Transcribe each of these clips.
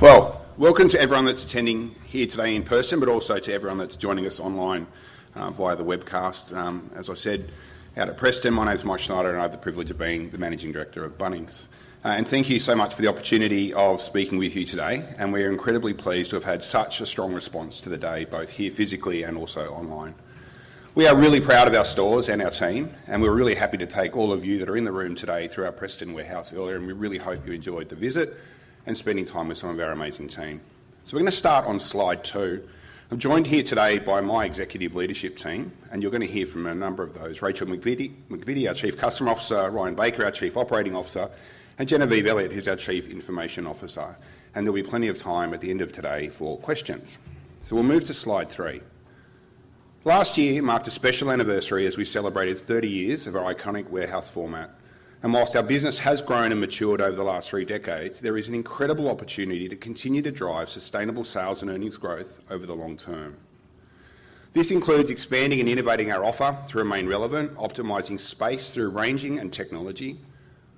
Welcome to everyone that's attending here today in person, but also to everyone that's joining us online via the webcast. As I said out at Preston, my name is Mike Schneider, and I have the privilege of being the Managing Director of Bunnings. Thank you so much for the opportunity of speaking with you today. We are incredibly pleased to have had such a strong response to the day, both here physically and also online. We are really proud of our stores and our team, and we're really happy to take all of you that are in the room today through our Preston warehouse earlier. We really hope you enjoyed the visit and spending time with some of our amazing team. We are going to start on slide two. I'm joined here today by my executive leadership team, and you're going to hear from a number of those: Rachael McVitty, our Chief Customer Officer; Ryan Baker, our Chief Operating Officer; and Genevieve Elliott, who's our Chief Information Officer. There'll be plenty of time at the end of today for questions. We will move to slide three. Last year marked a special anniversary as we celebrated 30 years of our iconic warehouse format. Whilst our business has grown and matured over the last three decades, there is an incredible opportunity to continue to drive sustainable sales and earnings growth over the long term. This includes expanding and innovating our offer to remain relevant, optimizing space through ranging and technology,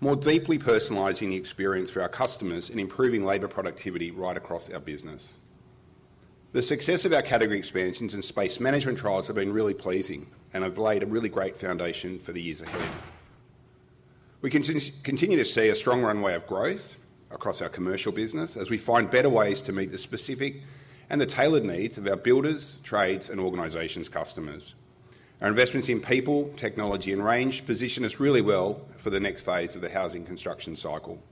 more deeply personalizing the experience for our customers, and improving labor productivity right across our business. The success of our category expansions and space management trials have been really pleasing and have laid a really great foundation for the years ahead. We can continue to see a strong runway of growth across our commercial business as we find better ways to meet the specific and the tailored needs of our builders, trades, and organizations' customers. Our investments in people, technology, and range position us really well for the next phase of the housing construction cycle.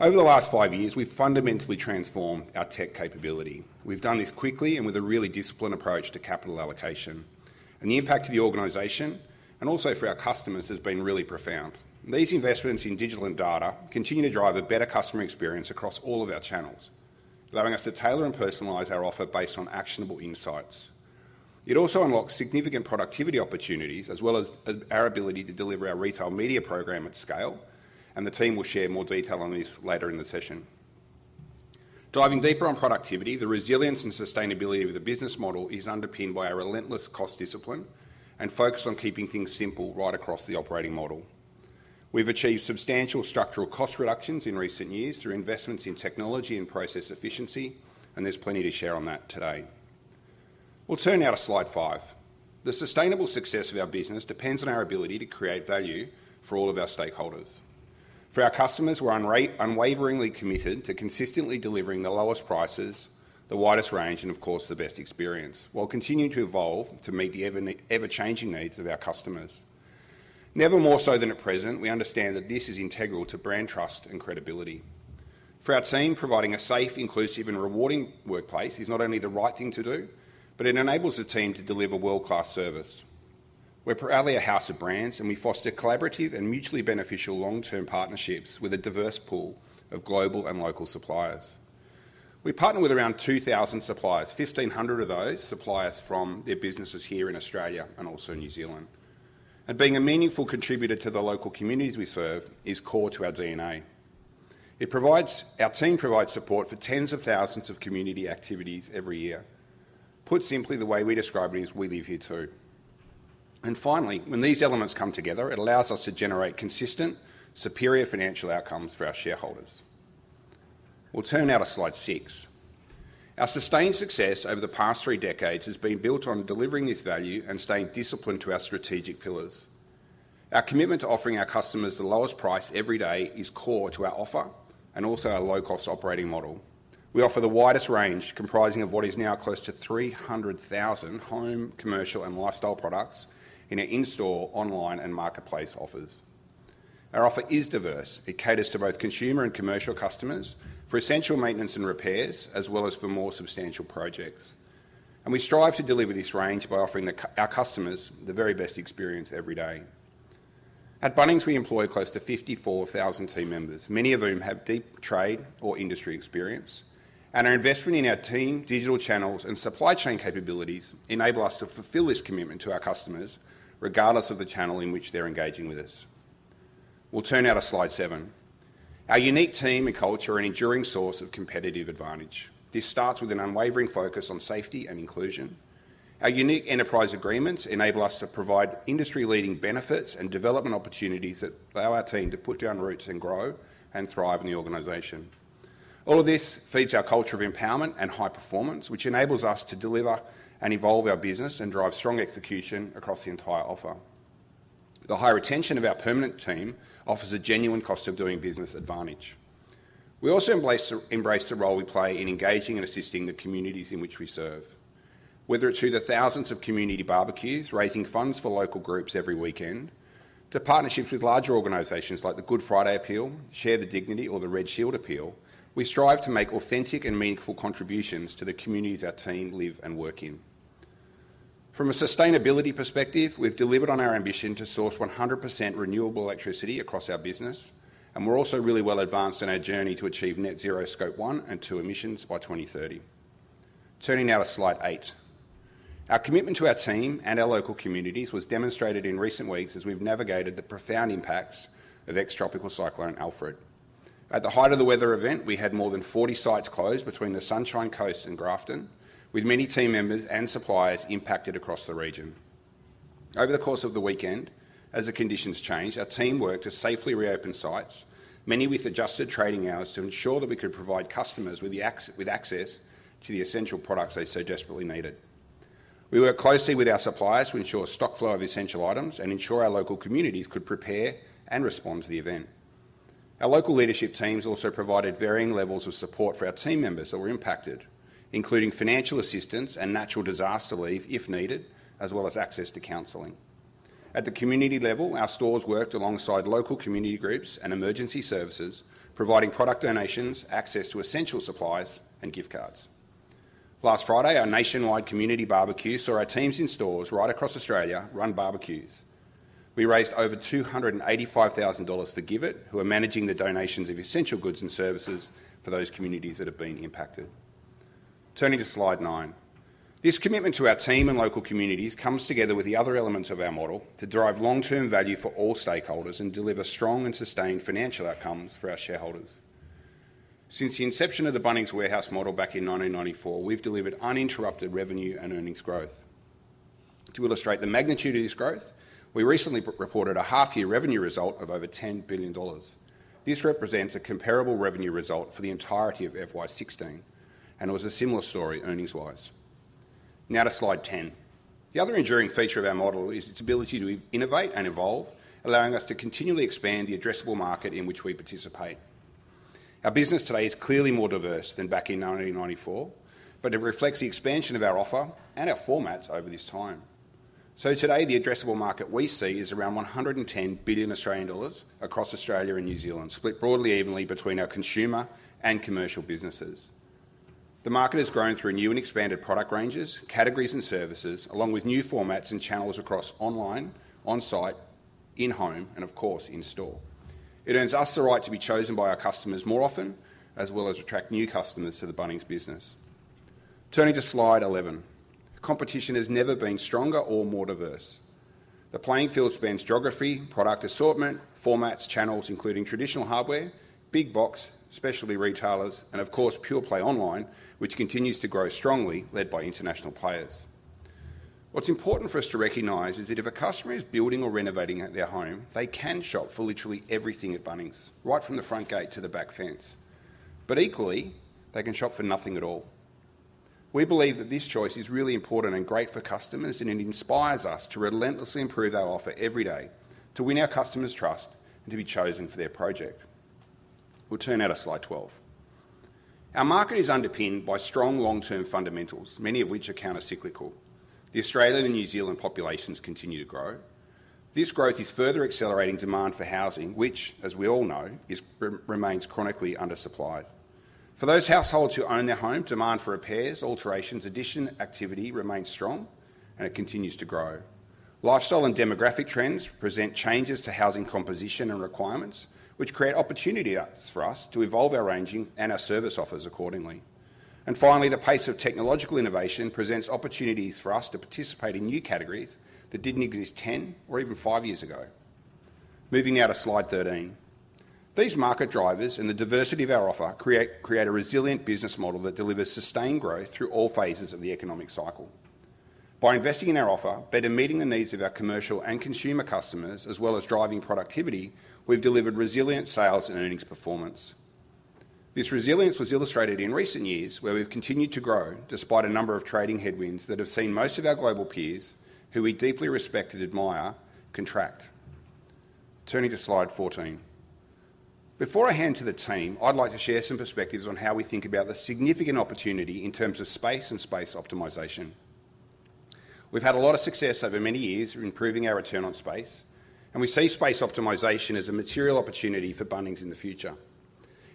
Over the last five years, we've fundamentally transformed our tech capability. We've done this quickly and with a really disciplined approach to capital allocation. The impact to the organization and also for our customers has been really profound. These investments in digital and data continue to drive a better customer experience across all of our channels, allowing us to tailor and personalize our offer based on actionable insights. It also unlocks significant productivity opportunities as well as our ability to deliver our retail media program at scale. The team will share more detail on this later in the session. Diving deeper on productivity, the resilience and sustainability of the business model is underpinned by a relentless cost discipline and focus on keeping things simple right across the operating model. We have achieved substantial structural cost reductions in recent years through investments in technology and process efficiency, and there is plenty to share on that today. We will turn now to slide five. The sustainable success of our business depends on our ability to create value for all of our stakeholders. For our customers, we are unwaveringly committed to consistently delivering the lowest prices, the widest range, and of course, the best experience while continuing to evolve to meet the ever-changing needs of our customers. Never more so than at present, we understand that this is integral to brand trust and credibility. For our team, providing a safe, inclusive, and rewarding workplace is not only the right thing to do, but it enables the team to deliver world-class service. We're proudly a house of brands, and we foster collaborative and mutually beneficial long-term partnerships with a diverse pool of global and local suppliers. We partner with around 2,000 suppliers, 1,500 of those suppliers from their businesses here in Australia and also New Zealand. Being a meaningful contributor to the local communities we serve is core to our DNA. Our team provides support for tens of thousands of community activities every year. Put simply, the way we describe it is, we live here too. Finally, when these elements come together, it allows us to generate consistent, superior financial outcomes for our shareholders. We'll turn now to slide six. Our sustained success over the past three decades has been built on delivering this value and staying disciplined to our strategic pillars. Our commitment to offering our customers the lowest price every day is core to our offer and also our low-cost operating model. We offer the widest range, comprising of what is now close to 300,000 home, commercial, and lifestyle products in our in-store, online, and marketplace offers. Our offer is diverse. It caters to both consumer and commercial customers for essential maintenance and repairs as well as for more substantial projects. We strive to deliver this range by offering our customers the very best experience every day. At Bunnings, we employ close to 54,000 team members, many of whom have deep trade or industry experience. Our investment in our team, digital channels, and supply chain capabilities enable us to fulfill this commitment to our customers regardless of the channel in which they're engaging with us. We'll turn now to slide seven. Our unique team and culture are an enduring source of competitive advantage. This starts with an unwavering focus on safety and inclusion. Our unique enterprise agreements enable us to provide industry-leading benefits and development opportunities that allow our team to put down roots and grow and thrive in the organization. All of this feeds our culture of empowerment and high performance, which enables us to deliver and evolve our business and drive strong execution across the entire offer. The high retention of our permanent team offers a genuine cost of doing business advantage. We also embrace the role we play in engaging and assisting the communities in which we serve. Whether it's through the thousands of community barbecues, raising funds for local groups every weekend, to partnerships with larger organizations like the Good Friday Appeal, Share the Dignity, or the Red Shield Appeal, we strive to make authentic and meaningful contributions to the communities our team live and work in. From a sustainability perspective, we've delivered on our ambition to source 100% renewable electricity across our business, and we're also really well advanced in our journey to achieve net zero scope one and two emissions by 2030. Turning now to slide eight. Our commitment to our team and our local communities was demonstrated in recent weeks as we've navigated the profound impacts of ex-tropical cyclone Alfred. At the height of the weather event, we had more than 40 sites closed between the Sunshine Coast and Grafton, with many team members and suppliers impacted across the region. Over the course of the weekend, as the conditions changed, our team worked to safely reopen sites, many with adjusted trading hours to ensure that we could provide customers with access to the essential products they so desperately needed. We worked closely with our suppliers to ensure stock flow of essential items and ensure our local communities could prepare and respond to the event. Our local leadership teams also provided varying levels of support for our team members that were impacted, including financial assistance and natural disaster leave if needed, as well as access to counseling. At the community level, our stores worked alongside local community groups and emergency services, providing product donations, access to essential supplies, and gift cards. Last Friday, our nationwide community barbecue saw our teams in stores right across Australia run barbecues. We raised over 285,000 dollars for GIVIT, who are managing the donations of essential goods and services for those communities that have been impacted. Turning to slide nine, this commitment to our team and local communities comes together with the other elements of our model to drive long-term value for all stakeholders and deliver strong and sustained financial outcomes for our shareholders. Since the inception of the Bunnings warehouse model back in 1994, we've delivered uninterrupted revenue and earnings growth. To illustrate the magnitude of this growth, we recently reported a half-year revenue result of over 10 billion dollars. This represents a comparable revenue result for the entirety of FY 2016, and it was a similar story earnings-wise. Now to slide ten. The other enduring feature of our model is its ability to innovate and evolve, allowing us to continually expand the addressable market in which we participate. Our business today is clearly more diverse than back in 1994, but it reflects the expansion of our offer and our formats over this time. Today, the addressable market we see is around 110 billion Australian dollars across Australia and New Zealand, split broadly evenly between our consumer and commercial businesses. The market has grown through new and expanded product ranges, categories, and services, along with new formats and channels across online, on-site, in-home, and of course, in-store. It earns us the right to be chosen by our customers more often, as well as attract new customers to the Bunnings business. Turning to slide 11, competition has never been stronger or more diverse. The playing field spans geography, product assortment, formats, channels, including traditional hardware, big box, specialty retailers, and of course, pure play online, which continues to grow strongly, led by international players. What's important for us to recognize is that if a customer is building or renovating at their home, they can shop for literally everything at Bunnings, right from the front gate to the back fence. Equally, they can shop for nothing at all. We believe that this choice is really important and great for customers, and it inspires us to relentlessly improve our offer every day to win our customers' trust and to be chosen for their project. We'll turn now to slide 12. Our market is underpinned by strong long-term fundamentals, many of which are countercyclical. The Australian and New Zealand populations continue to grow. This growth is further accelerating demand for housing, which, as we all know, remains chronically undersupplied. For those households who own their home, demand for repairs, alterations, addition, activity remains strong, and it continues to grow. Lifestyle and demographic trends present changes to housing composition and requirements, which create opportunities for us to evolve our ranging and our service offers accordingly. Finally, the pace of technological innovation presents opportunities for us to participate in new categories that did not exist 10 or even 5 years ago. Moving now to slide 13. These market drivers and the diversity of our offer create a resilient business model that delivers sustained growth through all phases of the economic cycle. By investing in our offer, better meeting the needs of our commercial and consumer customers, as well as driving productivity, we have delivered resilient sales and earnings performance. This resilience was illustrated in recent years, where we have continued to grow despite a number of trading headwinds that have seen most of our global peers, who we deeply respect and admire, contract. Turning to slide 14. Before I hand to the team, I'd like to share some perspectives on how we think about the significant opportunity in terms of space and space optimization. We've had a lot of success over many years in improving our return on space, and we see space optimization as a material opportunity for Bunnings in the future.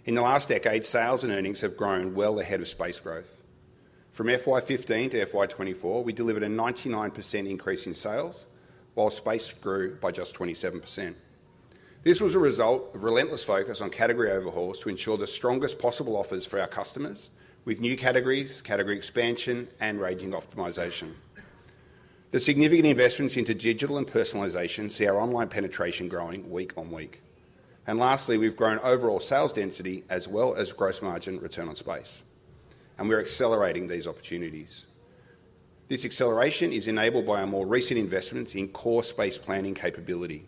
In the last decade, sales and earnings have grown well ahead of space growth. From FY 2015 to FY 2024, we delivered a 99% increase in sales, while space grew by just 27%. This was a result of relentless focus on category overhauls to ensure the strongest possible offers for our customers, with new categories, category expansion, and ranging optimization. The significant investments into digital and personalization see our online penetration growing week on week. Lastly, we've grown overall sales density as well as gross margin return on space, and we're accelerating these opportunities. This acceleration is enabled by our more recent investments in core space planning capability.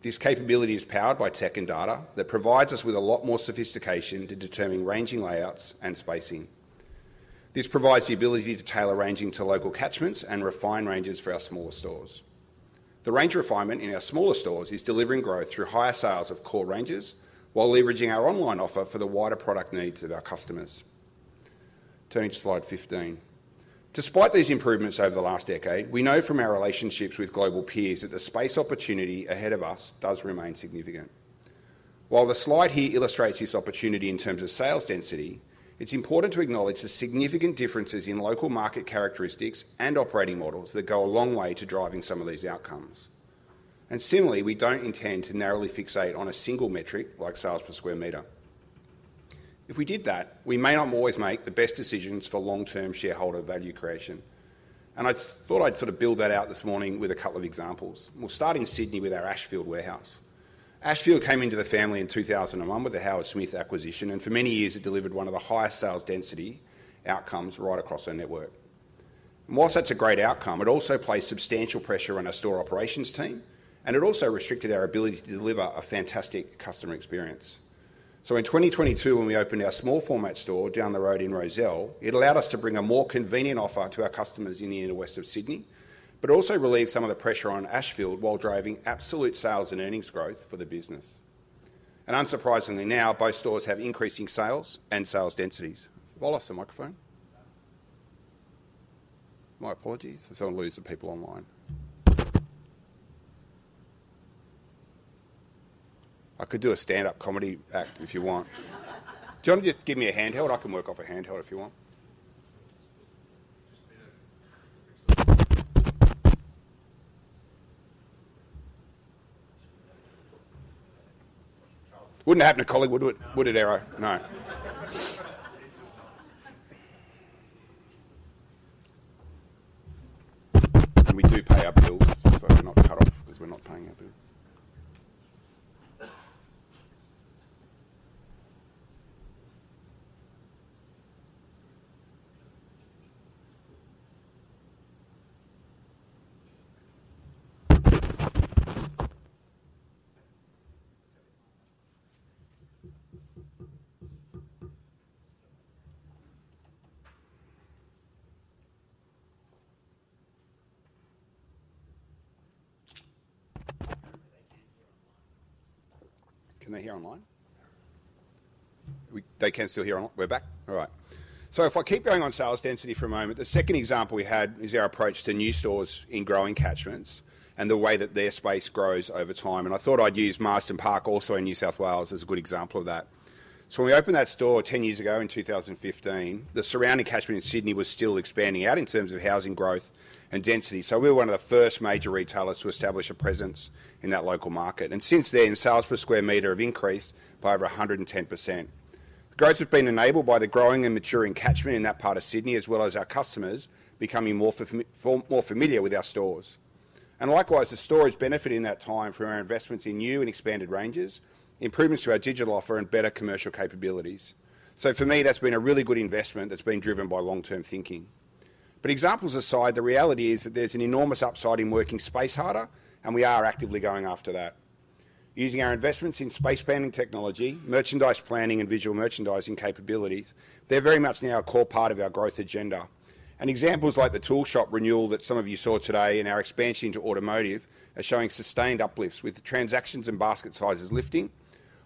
This capability is powered by tech and data that provides us with a lot more sophistication to determine ranging layouts and spacing. This provides the ability to tailor ranging to local catchments and refine ranges for our smaller stores. The range refinement in our smaller stores is delivering growth through higher sales of core ranges while leveraging our online offer for the wider product needs of our customers. Turning to slide 15. Despite these improvements over the last decade, we know from our relationships with global peers that the space opportunity ahead of us does remain significant. While the slide here illustrates this opportunity in terms of sales density, it's important to acknowledge the significant differences in local market characteristics and operating models that go a long way to driving some of these outcomes. Similarly, we do not intend to narrowly fixate on a single metric like sales per square meter. If we did that, we may not always make the best decisions for long-term shareholder value creation. I thought I would sort of build that out this morning with a couple of examples. We will start in Sydney with our Ashfield warehouse. Ashfield came into the family in 2001 with the Howard Smith acquisition, and for many years, it delivered one of the highest sales density outcomes right across our network. Whilst that is a great outcome, it also placed substantial pressure on our store operations team, and it also restricted our ability to deliver a fantastic customer experience. In 2022, when we opened our small format store down the road in Rozelle, it allowed us to bring a more convenient offer to our customers in the inner west of Sydney, but also relieved some of the pressure on Ashfield while driving absolute sales and earnings growth for the business. Unsurprisingly now, both stores have increasing sales and sales densities. Wallace, the microphone. My apologies. I'm starting to lose the people online. I could do a stand-up comedy act if you want. Do you want me to just give me a handheld? I can work off a handheld if you want. Wouldn't happen to Colin, would it? Would it error? No. We do pay our bills, so we're not cut off because we're not paying our bills. Can they hear online? Can they hear online? They can still hear online. We're back. All right. If I keep going on sales density for a moment, the second example we had is our approach to new stores in growing catchments and the way that their space grows over time. I thought I'd use Marsden Park, also in New South Wales, as a good example of that. When we opened that store 10 years ago in 2015, the surrounding catchment in Sydney was still expanding out in terms of housing growth and density. We were one of the first major retailers to establish a presence in that local market. Since then, sales per square meter have increased by over 110%. The growth has been enabled by the growing and maturing catchment in that part of Sydney, as well as our customers becoming more familiar with our stores. Likewise, the store has benefited in that time from our investments in new and expanded ranges, improvements to our digital offer, and better commercial capabilities. For me, that's been a really good investment that's been driven by long-term thinking. Examples aside, the reality is that there's an enormous upside in working space harder, and we are actively going after that. Using our investments in space planning technology, merchandise planning, and visual merchandising capabilities, they're very much now a core part of our growth agenda. Examples like the tool shop renewal that some of you saw today in our expansion into automotive are showing sustained uplifts with the transactions and basket sizes lifting,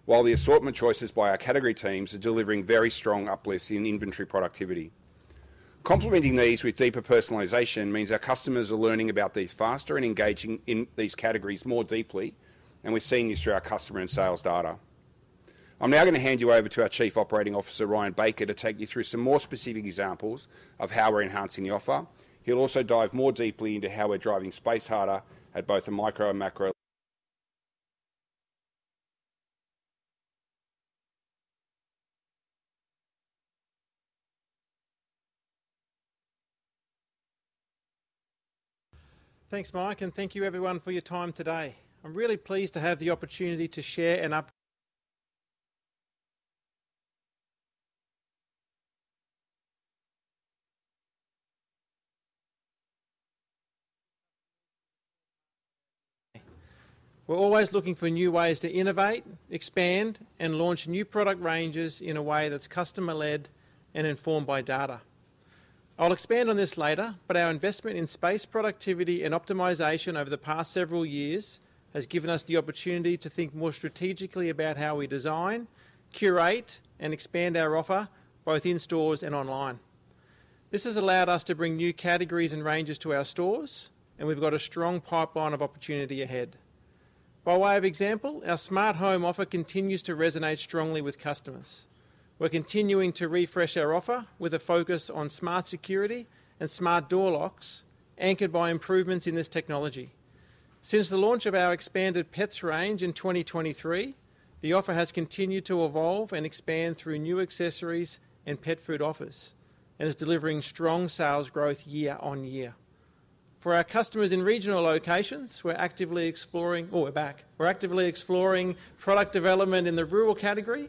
while the assortment choices by our category teams are delivering very strong uplifts in inventory productivity. Complementing these with deeper personalization means our customers are learning about these faster and engaging in these categories more deeply, and we're seeing this through our customer and sales data. I'm now going to hand you over to our Chief Operating Officer, Ryan Baker, to take you through some more specific examples of how we're enhancing the offer. He'll also dive more deeply into how we're driving space harder at both the micro and macro. Thanks, Mike, and thank you everyone for your time today. I'm really pleased to have the opportunity to share an up. We're always looking for new ways to innovate, expand, and launch new product ranges in a way that's customer-led and informed by data. I'll expand on this later, but our investment in space productivity and optimization over the past several years has given us the opportunity to think more strategically about how we design, curate, and expand our offer, both in stores and online. This has allowed us to bring new categories and ranges to our stores, and we've got a strong pipeline of opportunity ahead. By way of example, our smart home offer continues to resonate strongly with customers. We're continuing to refresh our offer with a focus on smart security and smart door locks, anchored by improvements in this technology. Since the launch of our expanded pets range in 2023, the offer has continued to evolve and expand through new accessories and pet food offers, and it's delivering strong sales growth year on year. For our customers in regional locations, we're actively exploring—we're back—we're actively exploring product development in the rural category,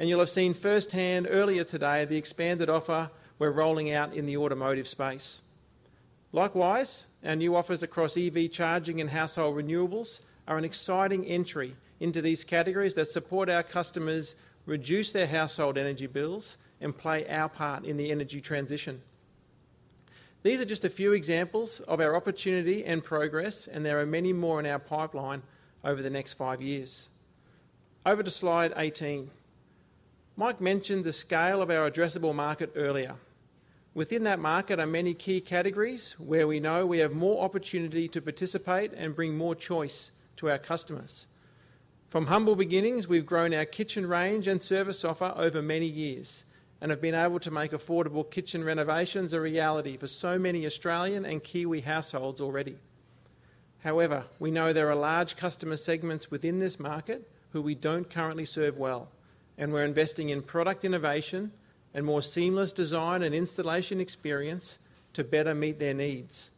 and you'll have seen firsthand earlier today the expanded offer we're rolling out in the automotive space. Likewise, our new offers across EV charging and household renewables are an exciting entry into these categories that support our customers, reduce their household energy bills, and play our part in the energy transition. These are just a few examples of our opportunity and progress, and there are many more in our pipeline over the next five years. Over to slide 18. Mike mentioned the scale of our addressable market earlier. Within that market are many key categories where we know we have more opportunity to participate and bring more choice to our customers. From humble beginnings, we've grown our kitchen range and service offer over many years and have been able to make affordable kitchen renovations a reality for so many Australian and Kiwi households already. However, we know there are large customer segments within this market who we don't currently serve well, and we're investing in product innovation and more seamless design and installation experience to better meet their needs.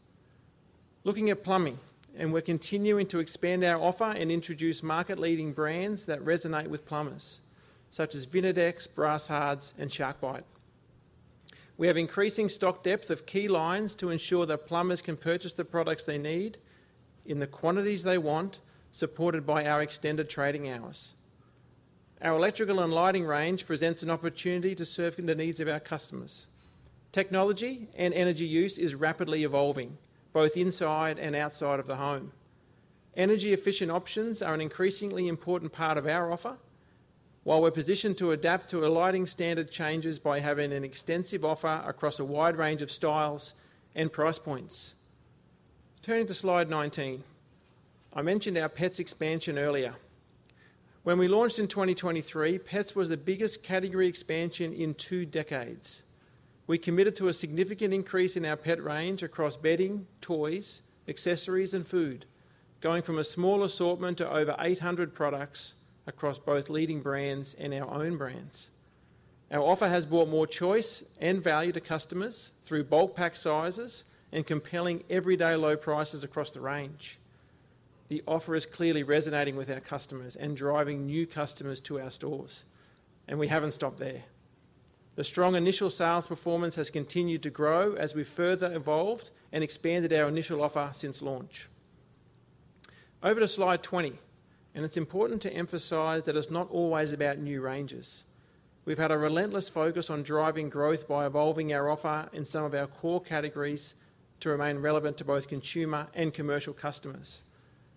Looking at plumbing, and we're continuing to expand our offer and introduce market-leading brands that resonate with plumbers, such as Vinidex, Brasshards, and SharkBite. We have increasing stock depth of key lines to ensure that plumbers can purchase the products they need in the quantities they want, supported by our extended trading hours. Our electrical and lighting range presents an opportunity to serve the needs of our customers. Technology and energy use is rapidly evolving, both inside and outside of the home. Energy-efficient options are an increasingly important part of our offer, while we're positioned to adapt to aligning standard changes by having an extensive offer across a wide range of styles and price points. Turning to slide 19. I mentioned our pets expansion earlier. When we launched in 2023, pets was the biggest category expansion in two decades. We committed to a significant increase in our pet range across bedding, toys, accessories, and food, going from a small assortment to over 800 products across both leading brands and our own brands. Our offer has brought more choice and value to customers through bulk pack sizes and compelling everyday low prices across the range. The offer is clearly resonating with our customers and driving new customers to our stores, and we haven't stopped there. The strong initial sales performance has continued to grow as we've further evolved and expanded our initial offer since launch. Over to slide 20, and it's important to emphasize that it's not always about new ranges. We've had a relentless focus on driving growth by evolving our offer in some of our core categories to remain relevant to both consumer and commercial customers.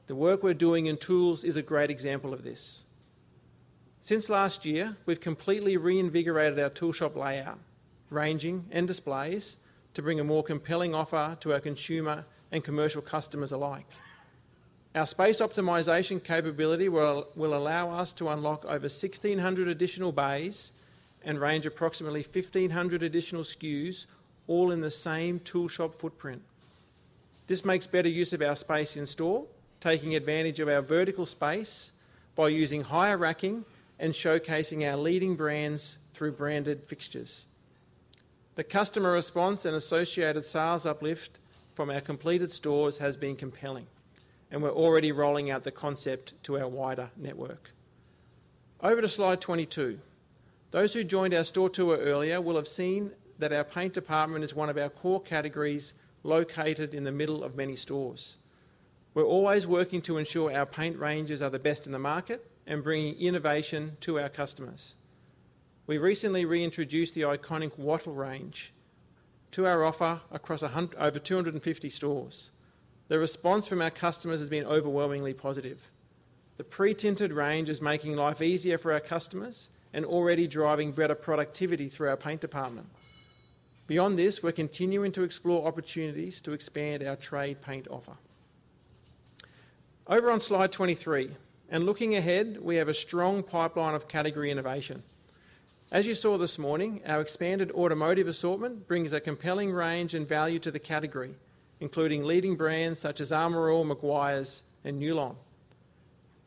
The work we're doing in tools is a great example of this. Since last year, we've completely reinvigorated our tool shop layout, ranging, and displays to bring a more compelling offer to our consumer and commercial customers alike. Our space optimization capability will allow us to unlock over 1,600 additional bays and range approximately 1,500 additional SKUs, all in the same tool shop footprint. This makes better use of our space in store, taking advantage of our vertical space by using higher racking and showcasing our leading brands through branded fixtures. The customer response and associated sales uplift from our completed stores has been compelling, and we're already rolling out the concept to our wider network. Over to slide 22. Those who joined our store tour earlier will have seen that our paint department is one of our core categories located in the middle of many stores. We're always working to ensure our paint ranges are the best in the market and bringing innovation to our customers. We recently reintroduced the iconic Wattle range to our offer across over 250 stores. The response from our customers has been overwhelmingly positive. The pre-tinted range is making life easier for our customers and already driving better productivity through our paint department. Beyond this, we're continuing to explore opportunities to expand our trade paint offer. Over on slide 23, and looking ahead, we have a strong pipeline of category innovation. As you saw this morning, our expanded automotive assortment brings a compelling range and value to the category, including leading brands such as ArmorAll, Meguiar's, and Nulon.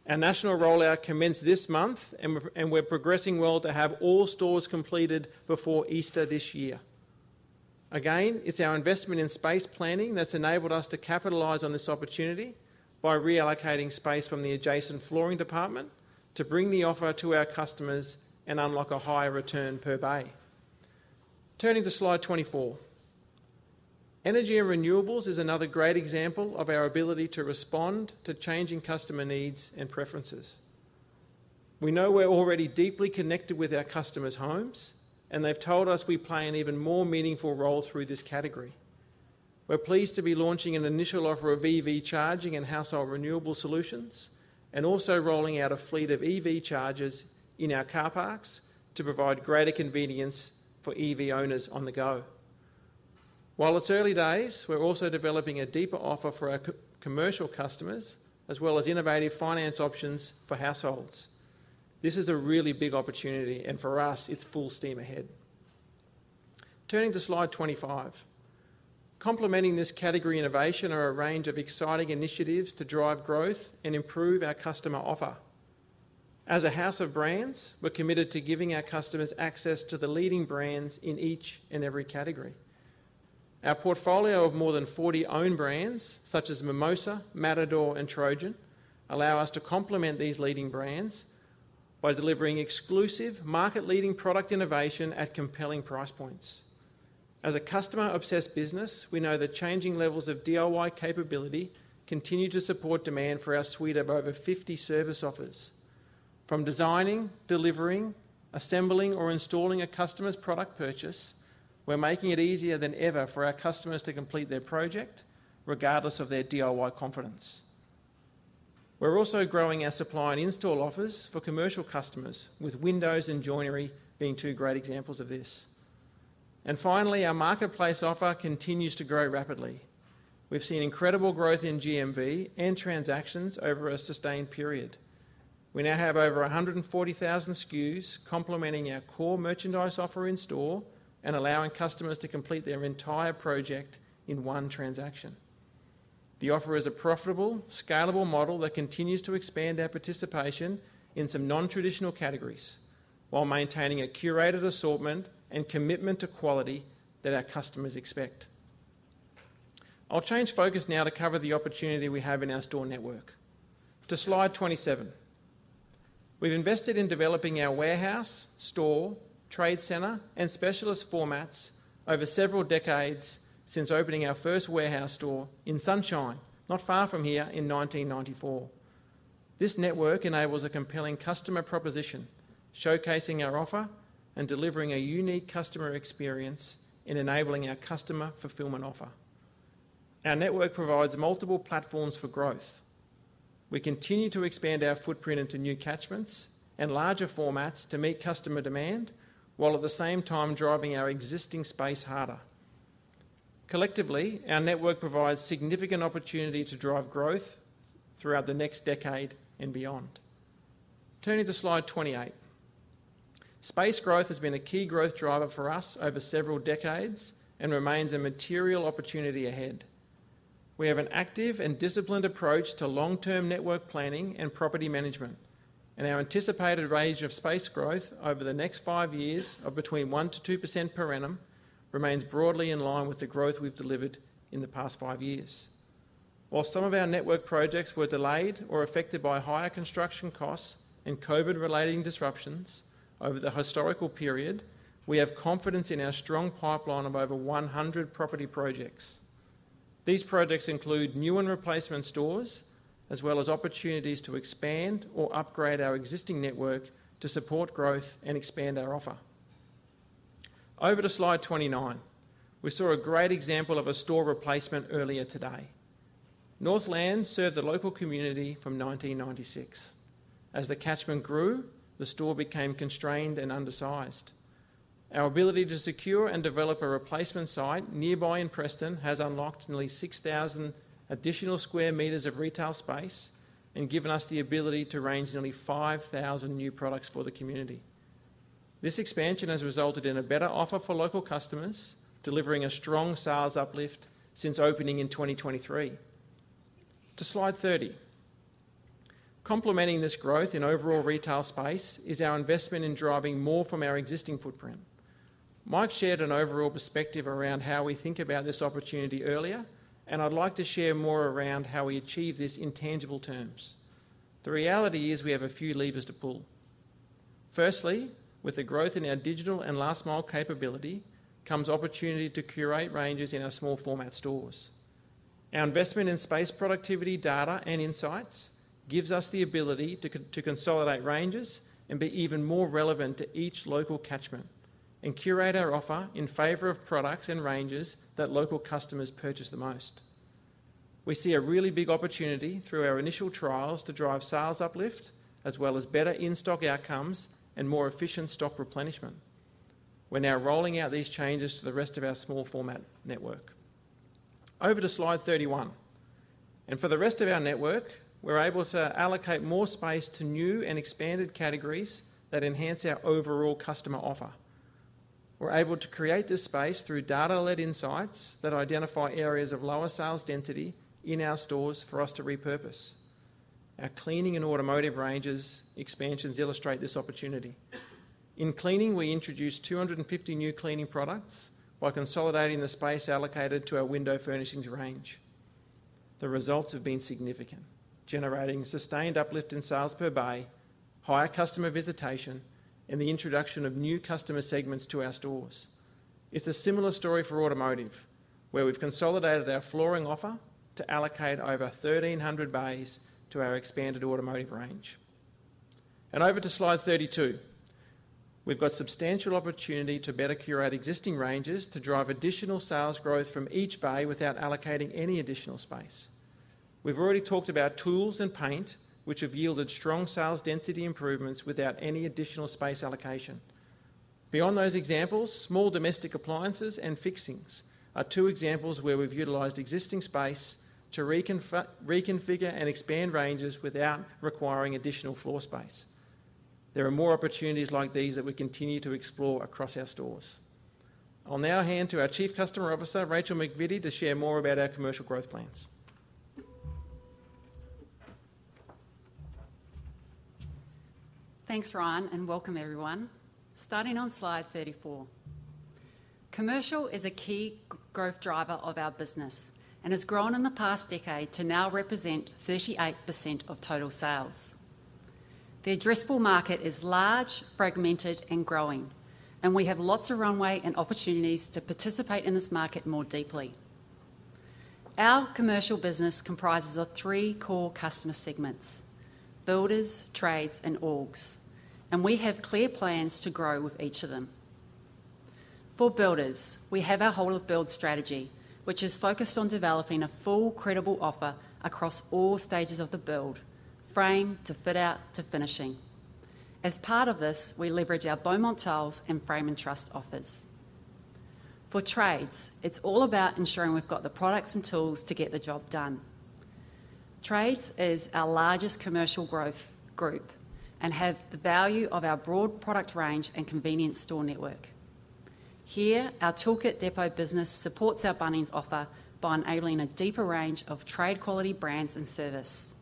Our national rollout commenced this month, and we're progressing well to have all stores completed before Easter this year. Again, it's our investment in space planning that's enabled us to capitalize on this opportunity by reallocating space from the adjacent flooring department to bring the offer to our customers and unlock a higher return per bay. Turning to slide 24. Energy and renewables is another great example of our ability to respond to changing customer needs and preferences. We know we're already deeply connected with our customers' homes, and they've told us we play an even more meaningful role through this category. We're pleased to be launching an initial offer of EV charging and household renewable solutions, and also rolling out a fleet of EV chargers in our car parks to provide greater convenience for EV owners on the go. While it's early days, we're also developing a deeper offer for our commercial customers, as well as innovative finance options for households. This is a really big opportunity, and for us, it's full steam ahead. Turning to slide 25. Complementing this category innovation are a range of exciting initiatives to drive growth and improve our customer offer. As a house of brands, we're committed to giving our customers access to the leading brands in each and every category. Our portfolio of more than 40 owned brands, such as Mimosa, Matador, and Trojan, allows us to complement these leading brands by delivering exclusive, market-leading product innovation at compelling price points. As a customer-obsessed business, we know that changing levels of DIY capability continue to support demand for our suite of over 50 service offers. From designing, delivering, assembling, or installing a customer's product purchase, we're making it easier than ever for our customers to complete their project, regardless of their DIY confidence. We're also growing our supply and install offers for commercial customers, with windows and joinery being two great examples of this. Finally, our marketplace offer continues to grow rapidly. We've seen incredible growth in GMV and transactions over a sustained period. We now have over 140,000 SKUs complementing our core merchandise offer in store and allowing customers to complete their entire project in one transaction. The offer is a profitable, scalable model that continues to expand our participation in some non-traditional categories while maintaining a curated assortment and commitment to quality that our customers expect. I'll change focus now to cover the opportunity we have in our store network. To slide 27. We've invested in developing our warehouse, store, trade center, and specialist formats over several decades since opening our first warehouse store in Sunshine, not far from here, in 1994. This network enables a compelling customer proposition, showcasing our offer and delivering a unique customer experience and enabling our customer fulfillment offer. Our network provides multiple platforms for growth. We continue to expand our footprint into new catchments and larger formats to meet customer demand while at the same time driving our existing space harder. Collectively, our network provides significant opportunity to drive growth throughout the next decade and beyond. Turning to slide 28. Space growth has been a key growth driver for us over several decades and remains a material opportunity ahead. We have an active and disciplined approach to long-term network planning and property management, and our anticipated range of space growth over the next five years of between 1%-2% per annum remains broadly in line with the growth we've delivered in the past five years. While some of our network projects were delayed or affected by higher construction costs and COVID-related disruptions over the historical period, we have confidence in our strong pipeline of over 100 property projects. These projects include new and replacement stores, as well as opportunities to expand or upgrade our existing network to support growth and expand our offer. Over to slide 29. We saw a great example of a store replacement earlier today. Northland served the local community from 1996. As the catchment grew, the store became constrained and undersized. Our ability to secure and develop a replacement site nearby in Preston has unlocked nearly 6,000 additional square meters of retail space and given us the ability to range nearly 5,000 new products for the community. This expansion has resulted in a better offer for local customers, delivering a strong sales uplift since opening in 2023. To slide 30. Complementing this growth in overall retail space is our investment in driving more from our existing footprint. Mike shared an overall perspective around how we think about this opportunity earlier, and I'd like to share more around how we achieve this in tangible terms. The reality is we have a few levers to pull. Firstly, with the growth in our digital and last-mile capability comes opportunity to curate ranges in our small format stores. Our investment in space productivity, data, and insights gives us the ability to consolidate ranges and be even more relevant to each local catchment and curate our offer in favor of products and ranges that local customers purchase the most. We see a really big opportunity through our initial trials to drive sales uplift, as well as better in-stock outcomes and more efficient stock replenishment. We're now rolling out these changes to the rest of our small format network. Over to slide 31. For the rest of our network, we're able to allocate more space to new and expanded categories that enhance our overall customer offer. We're able to create this space through data-led insights that identify areas of lower sales density in our stores for us to repurpose. Our cleaning and automotive ranges expansions illustrate this opportunity. In cleaning, we introduced 250 new cleaning products by consolidating the space allocated to our window furnishings range. The results have been significant, generating sustained uplift in sales per bay, higher customer visitation, and the introduction of new customer segments to our stores. It is a similar story for automotive, where we have consolidated our flooring offer to allocate over 1,300 bays to our expanded automotive range. Over to slide 32. We have substantial opportunity to better curate existing ranges to drive additional sales growth from each bay without allocating any additional space. We have already talked about tools and paint, which have yielded strong sales density improvements without any additional space allocation. Beyond those examples, small domestic appliances and fixings are two examples where we have utilized existing space to reconfigure and expand ranges without requiring additional floor space. There are more opportunities like these that we continue to explore across our stores. I'll now hand to our Chief Customer Officer, Rachael McVitty, to share more about our commercial growth plans. Thanks, Ryan, and welcome, everyone. Starting on slide 34. Commercial is a key growth driver of our business and has grown in the past decade to now represent 38% of total sales. The addressable market is large, fragmented, and growing, and we have lots of runway and opportunities to participate in this market more deeply. Our commercial business comprises of three core customer segments: builders, trades, and orgs, and we have clear plans to grow with each of them. For builders, we have our whole-of-build strategy, which is focused on developing a full, credible offer across all stages of the build, frame to fit-out to finishing. As part of this, we leverage our Beaumont Tiles and Frame & Truss offers. For trades, it's all about ensuring we've got the products and tools to get the job done. Trades is our largest commercial growth group and has the value of our broad product range and convenient store network. Here, our Tool Kit Depot business supports our Bunnings offer by enabling a deeper range of trade-quality brands and service.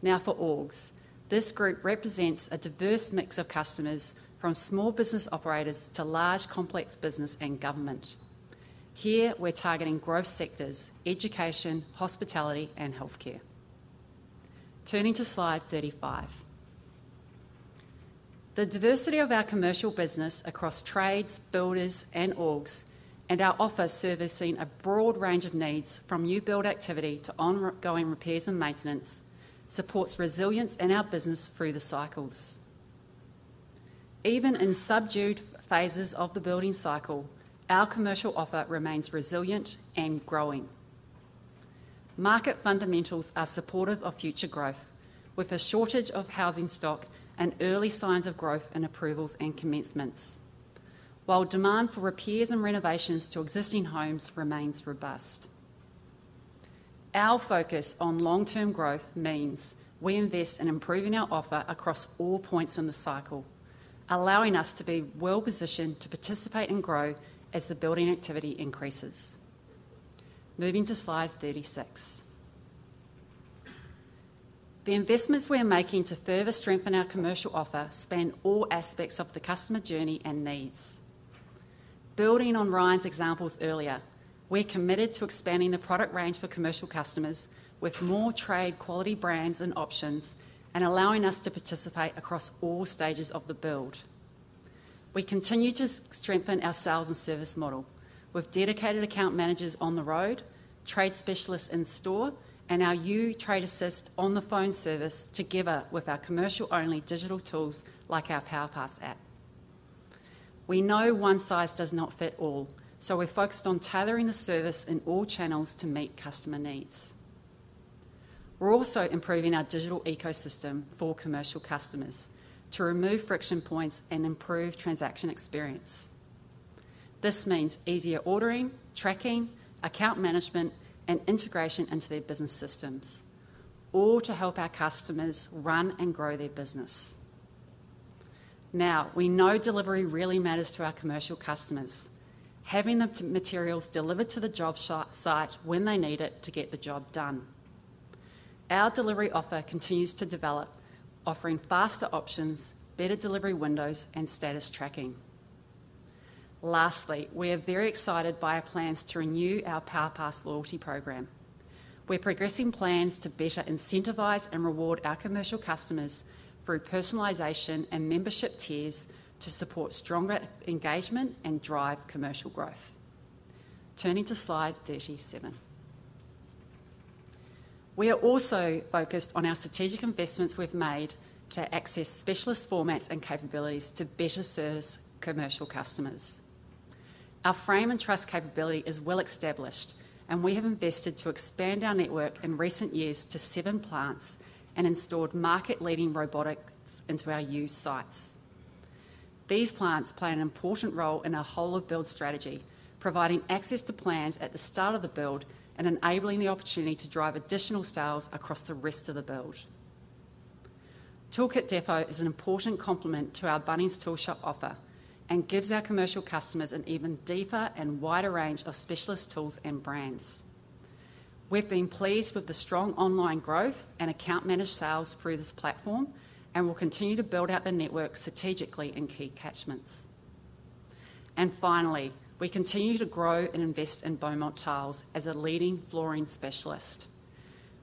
Now for orgs. This group represents a diverse mix of customers from small business operators to large complex business and government. Here, we're targeting growth sectors: education, hospitality, and healthcare. Turning to slide 35. The diversity of our commercial business across trades, builders, and orgs, and our offer servicing a broad range of needs, from new build activity to ongoing repairs and maintenance, supports resilience in our business through the cycles. Even in subdued phases of the building cycle, our commercial offer remains resilient and growing. Market fundamentals are supportive of future growth, with a shortage of housing stock and early signs of growth in approvals and commencements, while demand for repairs and renovations to existing homes remains robust. Our focus on long-term growth means we invest in improving our offer across all points in the cycle, allowing us to be well-positioned to participate and grow as the building activity increases. Moving to slide 36. The investments we are making to further strengthen our commercial offer span all aspects of the customer journey and needs. Building on Ryan's examples earlier, we're committed to expanding the product range for commercial customers with more trade-quality brands and options and allowing us to participate across all stages of the build. We continue to strengthen our sales and service model with dedicated account managers on the road, trade specialists in store, and our new Trade Assist on the phone service together with our commercial-only digital tools like our PowerPass app. We know one size does not fit all, so we're focused on tailoring the service in all channels to meet customer needs. We're also improving our digital ecosystem for commercial customers to remove friction points and improve transaction experience. This means easier ordering, tracking, account management, and integration into their business systems, all to help our customers run and grow their business. Now, we know delivery really matters to our commercial customers, having the materials delivered to the job site when they need it to get the job done. Our delivery offer continues to develop, offering faster options, better delivery windows, and status tracking. Lastly, we are very excited by our plans to renew our PowerPass loyalty program. We're progressing plans to better incentivize and reward our commercial customers through personalization and membership tiers to support stronger engagement and drive commercial growth. Turning to slide 37. We are also focused on our strategic investments we've made to access specialist formats and capabilities to better service commercial customers. Our Frame & Truss capability is well established, and we have invested to expand our network in recent years to seven plants and installed market-leading robotics into our used sites. These plants play an important role in our whole-of-build strategy, providing access to plans at the start of the build and enabling the opportunity to drive additional sales across the rest of the build. Tool Kit Depot is an important complement to our Bunnings tool shop offer and gives our commercial customers an even deeper and wider range of specialist tools and brands. We've been pleased with the strong online growth and account-managed sales through this platform and will continue to build out the network strategically in key catchments. Finally, we continue to grow and invest in Beaumont Tiles as a leading flooring specialist.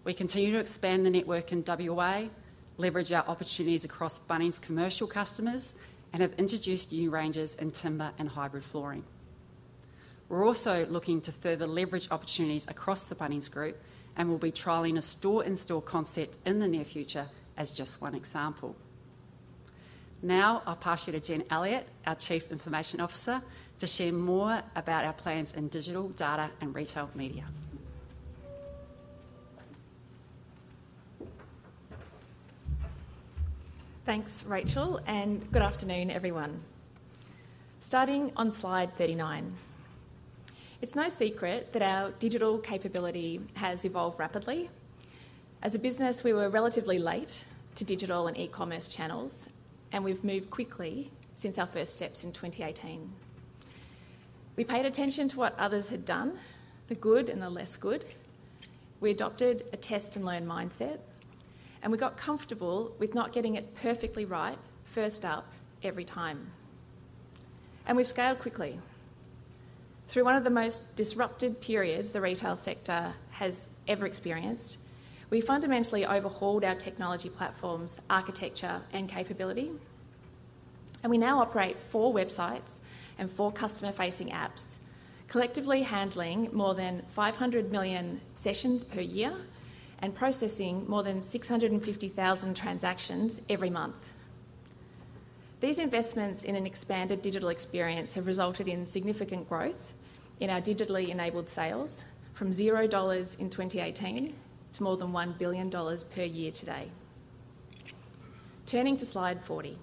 We continue to expand the network in Western Australia, leverage our opportunities across Bunnings' commercial customers, and have introduced new ranges in timber and hybrid flooring. We're also looking to further leverage opportunities across the Bunnings Group and will be trialing a store-in-store concept in the near future as just one example. Now, I'll pass you to Genevieve Elliott, our Chief Information Officer, to share more about our plans in digital, data, and retail media. Thanks, Rachael, and good afternoon, everyone. Starting on slide 39. It's no secret that our digital capability has evolved rapidly. As a business, we were relatively late to digital and e-commerce channels, and we've moved quickly since our first steps in 2018. We paid attention to what others had done, the good and the less good. We adopted a test-and-learn mindset, and we got comfortable with not getting it perfectly right first up every time. We scaled quickly. Through one of the most disrupted periods the retail sector has ever experienced, we fundamentally overhauled our technology platforms, architecture, and capability. We now operate four websites and four customer-facing apps, collectively handling more than 500 million sessions per year and processing more than 650,000 transactions every month. These investments in an expanded digital experience have resulted in significant growth in our digitally enabled sales, from 0 dollars in 2018 to more than 1 billion dollars per year today. Turning to slide 40.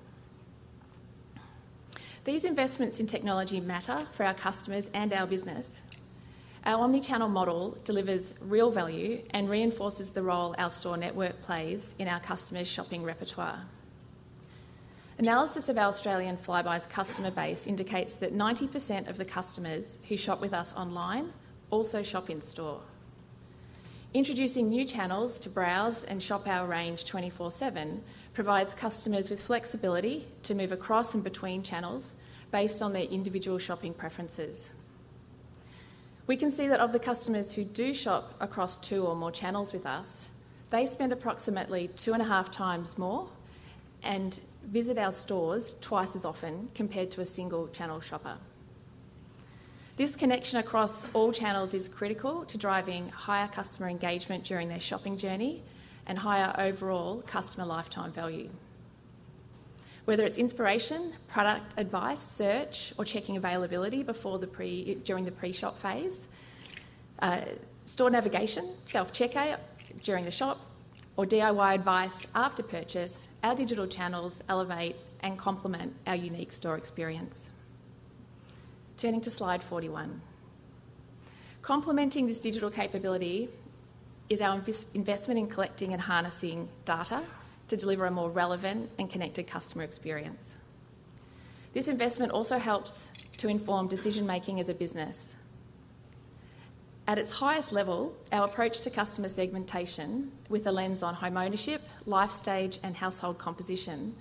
These investments in technology matter for our customers and our business. Our omnichannel model delivers real value and reinforces the role our store network plays in our customers' shopping repertoire. Analysis of our Australian Flybuys customer base indicates that 90% of the customers who shop with us online also shop in store. Introducing new channels to browse and shop our range 24/7 provides customers with flexibility to move across and between channels based on their individual shopping preferences. We can see that of the customers who do shop across two or more channels with us, they spend approximately two and a half times more and visit our stores twice as often compared to a single-channel shopper. This connection across all channels is critical to driving higher customer engagement during their shopping journey and higher overall customer lifetime value. Whether it's inspiration, product advice, search, or checking availability during the pre-shop phase, store navigation, self-checkout during the shop, or DIY advice after purchase, our digital channels elevate and complement our unique store experience. Turning to slide 41. Complementing this digital capability is our investment in collecting and harnessing data to deliver a more relevant and connected customer experience. This investment also helps to inform decision-making as a business. At its highest level, our approach to customer segmentation with a lens on homeownership, life stage, and household composition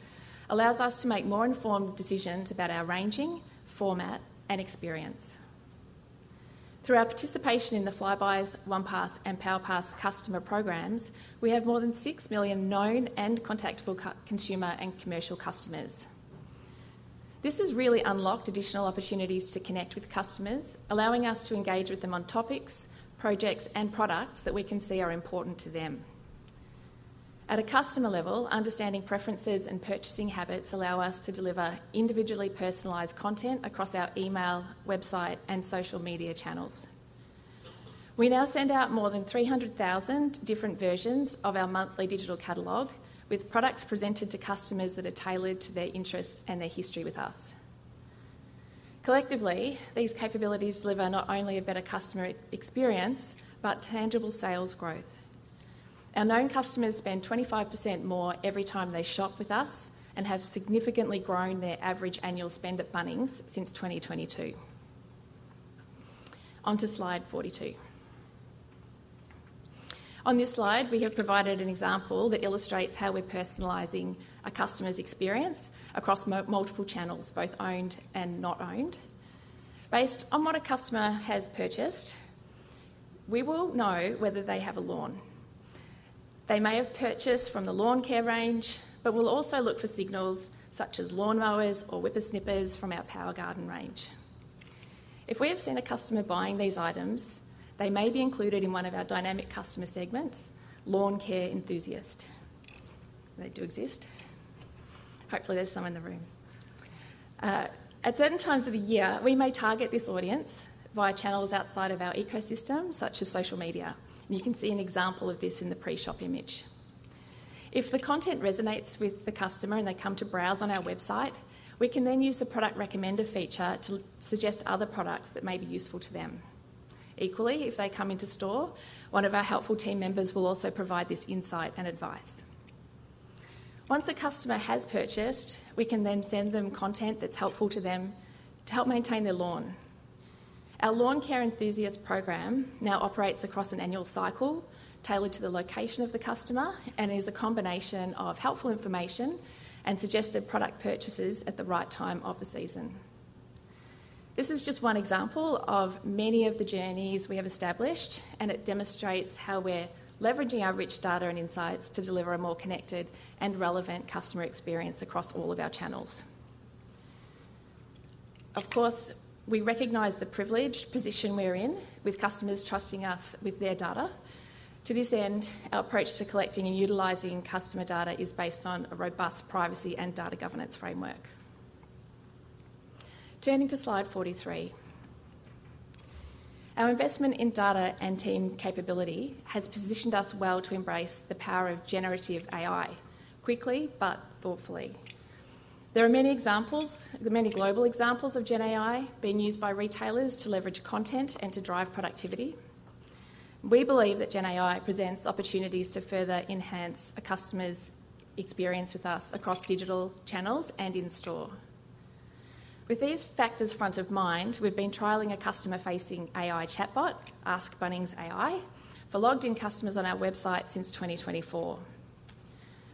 allows us to make more informed decisions about our ranging, format, and experience. Through our participation in the Flybuys, OnePass, and PowerPass customer programs, we have more than 6 million known and contactable consumer and commercial customers. This has really unlocked additional opportunities to connect with customers, allowing us to engage with them on topics, projects, and products that we can see are important to them. At a customer level, understanding preferences and purchasing habits allows us to deliver individually personalized content across our email, website, and social media channels. We now send out more than 300,000 different versions of our monthly digital catalog, with products presented to customers that are tailored to their interests and their history with us. Collectively, these capabilities deliver not only a better customer experience but tangible sales growth. Our known customers spend 25% more every time they shop with us and have significantly grown their average annual spend at Bunnings since 2022. On to slide 42. On this slide, we have provided an example that illustrates how we're personalizing a customer's experience across multiple channels, both owned and not owned. Based on what a customer has purchased, we will know whether they have a lawn. They may have purchased from the lawn care range, but we will also look for signals such as lawnmowers or whipper snippers from our power garden range. If we have seen a customer buying these items, they may be included in one of our dynamic customer segments, lawn care enthusiast. They do exist. Hopefully, there are some in the room. At certain times of the year, we may target this audience via channels outside of our ecosystem, such as social media. You can see an example of this in the pre-shop image. If the content resonates with the customer and they come to browse on our website, we can then use the product recommender feature to suggest other products that may be useful to them. Equally, if they come into store, one of our helpful team members will also provide this insight and advice. Once a customer has purchased, we can then send them content that's helpful to them to help maintain their lawn. Our lawn care enthusiast program now operates across an annual cycle tailored to the location of the customer and is a combination of helpful information and suggested product purchases at the right time of the season. This is just one example of many of the journeys we have established, and it demonstrates how we're leveraging our rich data and insights to deliver a more connected and relevant customer experience across all of our channels. Of course, we recognize the privileged position we're in with customers trusting us with their data. To this end, our approach to collecting and utilizing customer data is based on a robust privacy and data governance framework. Turning to slide 43. Our investment in data and team capability has positioned us well to embrace the power of generative AI quickly but thoughtfully. There are many examples, many global examples of Gen AI being used by retailers to leverage content and to drive productivity. We believe that Gen AI presents opportunities to further enhance a customer's experience with us across digital channels and in store. With these factors front of mind, we've been trialing a customer-facing AI chatbot, Ask Bunnings AI, for logged-in customers on our website since 2024.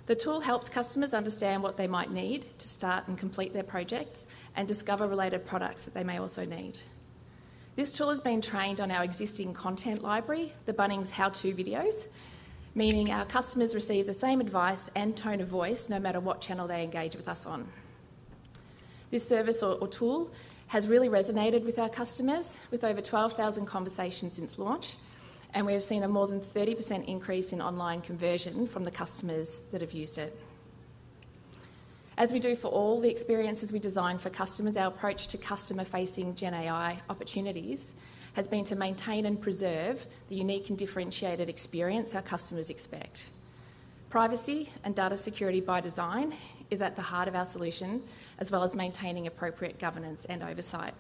The tool helps customers understand what they might need to start and complete their projects and discover related products that they may also need. This tool has been trained on our existing content library, the Bunnings How-To videos, meaning our customers receive the same advice and tone of voice no matter what channel they engage with us on. This service or tool has really resonated with our customers with over 12,000 conversations since launch, and we have seen a more than 30% increase in online conversion from the customers that have used it. As we do for all the experiences we design for customers, our approach to customer-facing Gen AI opportunities has been to maintain and preserve the unique and differentiated experience our customers expect. Privacy and data security by design is at the heart of our solution, as well as maintaining appropriate governance and oversight.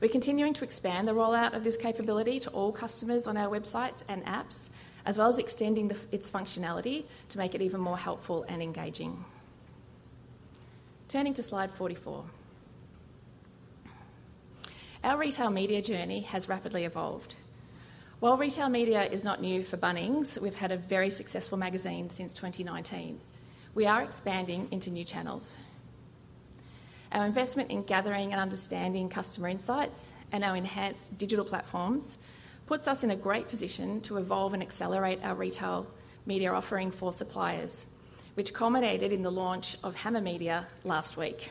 We're continuing to expand the rollout of this capability to all customers on our websites and apps, as well as extending its functionality to make it even more helpful and engaging. Turning to slide 44. Our retail media journey has rapidly evolved. While retail media is not new for Bunnings, we've had a very successful magazine since 2019. We are expanding into new channels. Our investment in gathering and understanding customer insights and our enhanced digital platforms puts us in a great position to evolve and accelerate our retail media offering for suppliers, which culminated in the launch of Hammer Media last week.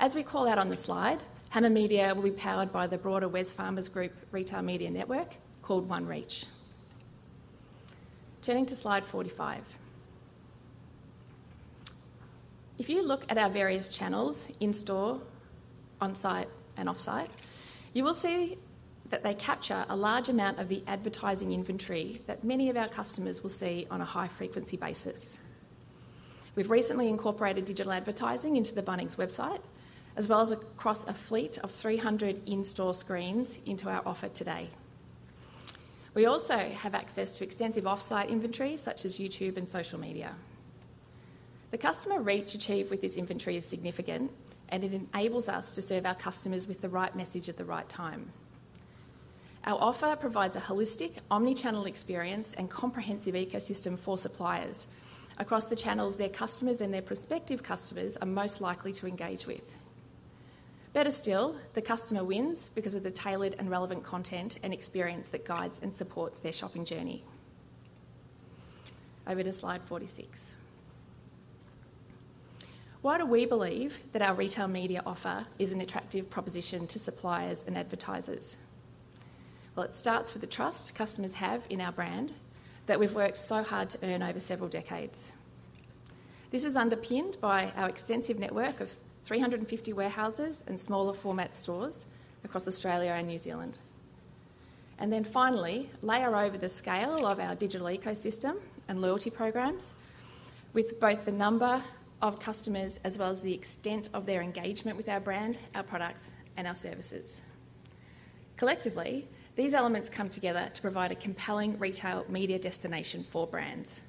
As we call out on the slide, Hammer Media will be powered by the broader Wesfarmers Group retail media network called OneReach. Turning to slide 45. If you look at our various channels in store, on-site, and off-site, you will see that they capture a large amount of the advertising inventory that many of our customers will see on a high-frequency basis. We've recently incorporated digital advertising into the Bunnings website, as well as across a fleet of 300 in-store screens into our offer today. We also have access to extensive off-site inventory, such as YouTube and social media. The customer reach achieved with this inventory is significant, and it enables us to serve our customers with the right message at the right time. Our offer provides a holistic, omnichannel experience and comprehensive ecosystem for suppliers across the channels their customers and their prospective customers are most likely to engage with. Better still, the customer wins because of the tailored and relevant content and experience that guides and supports their shopping journey. Over to slide 46. Why do we believe that our retail media offer is an attractive proposition to suppliers and advertisers? It starts with the trust customers have in our brand that we've worked so hard to earn over several decades. This is underpinned by our extensive network of 350 warehouses and smaller format stores across Australia and New Zealand. Finally, layer over the scale of our digital ecosystem and loyalty programs with both the number of customers as well as the extent of their engagement with our brand, our products, and our services. Collectively, these elements come together to provide a compelling retail media destination for brands.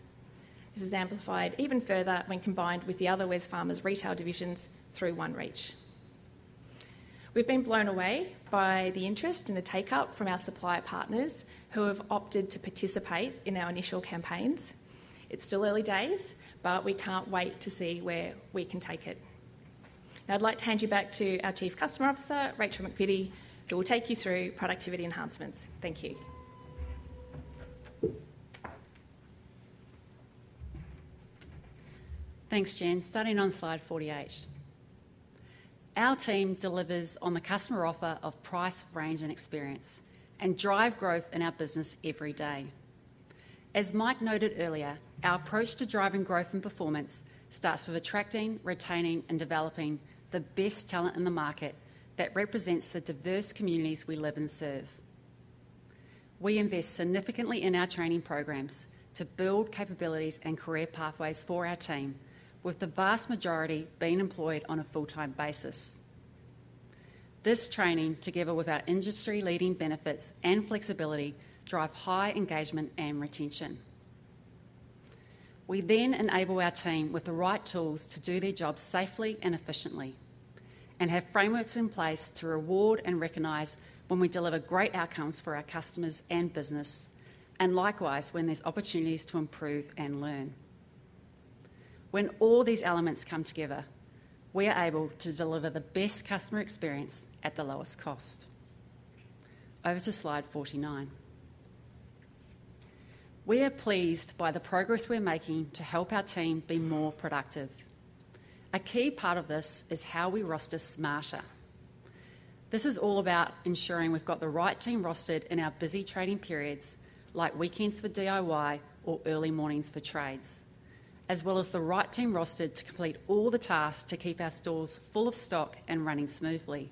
This is amplified even further when combined with the other Wesfarmers retail divisions through OneReach. We have been blown away by the interest and the take-up from our supplier partners who have opted to participate in our initial campaigns. It is still early days, but we cannot wait to see where we can take it. Now, I would like to hand you back to our Chief Customer Officer, Rachael McVitty, who will take you through productivity enhancements. Thank you. Thanks, Gen. Starting on slide 48. Our team delivers on the customer offer of price, range, and experience and drive growth in our business every day. As Mike noted earlier, our approach to driving growth and performance starts with attracting, retaining, and developing the best talent in the market that represents the diverse communities we live and serve. We invest significantly in our training programs to build capabilities and career pathways for our team, with the vast majority being employed on a full-time basis. This training, together with our industry-leading benefits and flexibility, drives high engagement and retention. We then enable our team with the right tools to do their job safely and efficiently and have frameworks in place to reward and recognize when we deliver great outcomes for our customers and business, and likewise when there's opportunities to improve and learn. When all these elements come together, we are able to deliver the best customer experience at the lowest cost. Over to slide 49. We are pleased by the progress we're making to help our team be more productive. A key part of this is how we roster smarter. This is all about ensuring we've got the right team rostered in our busy training periods, like weekends for DIY or early mornings for trades, as well as the right team rostered to complete all the tasks to keep our stores full of stock and running smoothly.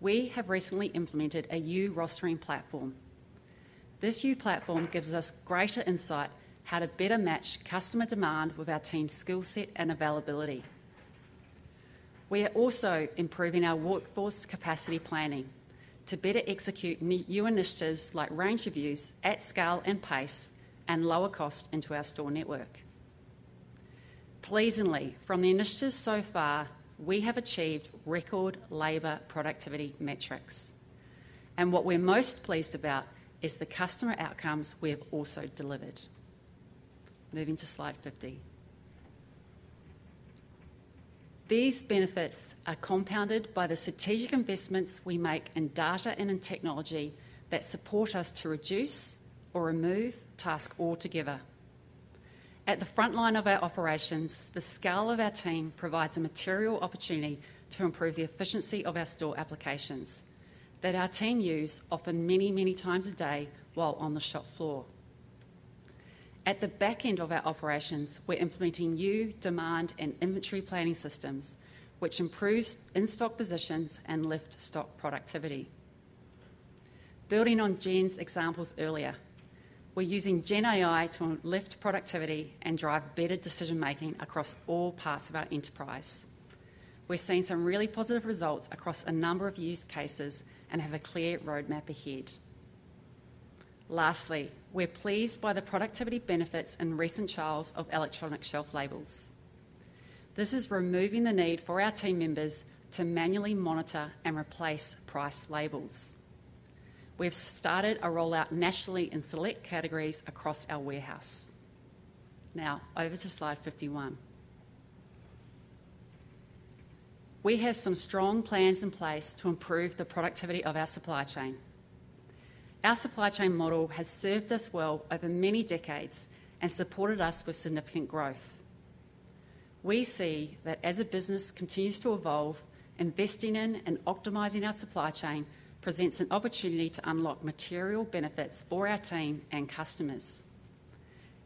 We have recently implemented a new rostering platform. This new platform gives us greater insight into how to better match customer demand with our team's skill set and availability. We are also improving our workforce capacity planning to better execute new initiatives like range reviews at scale and pace and lower cost into our store network. Pleasingly, from the initiatives so far, we have achieved record labor productivity metrics. What we're most pleased about is the customer outcomes we have also delivered. Moving to slide 50. These benefits are compounded by the strategic investments we make in data and in technology that support us to reduce or remove task altogether. At the front line of our operations, the scale of our team provides a material opportunity to improve the efficiency of our store applications that our team use often many, many times a day while on the shop floor. At the back end of our operations, we're implementing new demand and inventory planning systems, which improves in-stock positions and lifts stock productivity. Building on Gen's examples earlier, we're using Gen AI to lift productivity and drive better decision-making across all parts of our enterprise. We're seeing some really positive results across a number of use cases and have a clear roadmap ahead. Lastly, we're pleased by the productivity benefits and recent trials of electronic shelf labels. This is removing the need for our team members to manually monitor and replace price labels. We've started a rollout nationally in select categories across our warehouse. Now, over to slide 51. We have some strong plans in place to improve the productivity of our supply chain. Our supply chain model has served us well over many decades and supported us with significant growth. We see that as a business continues to evolve, investing in and optimizing our supply chain presents an opportunity to unlock material benefits for our team and customers.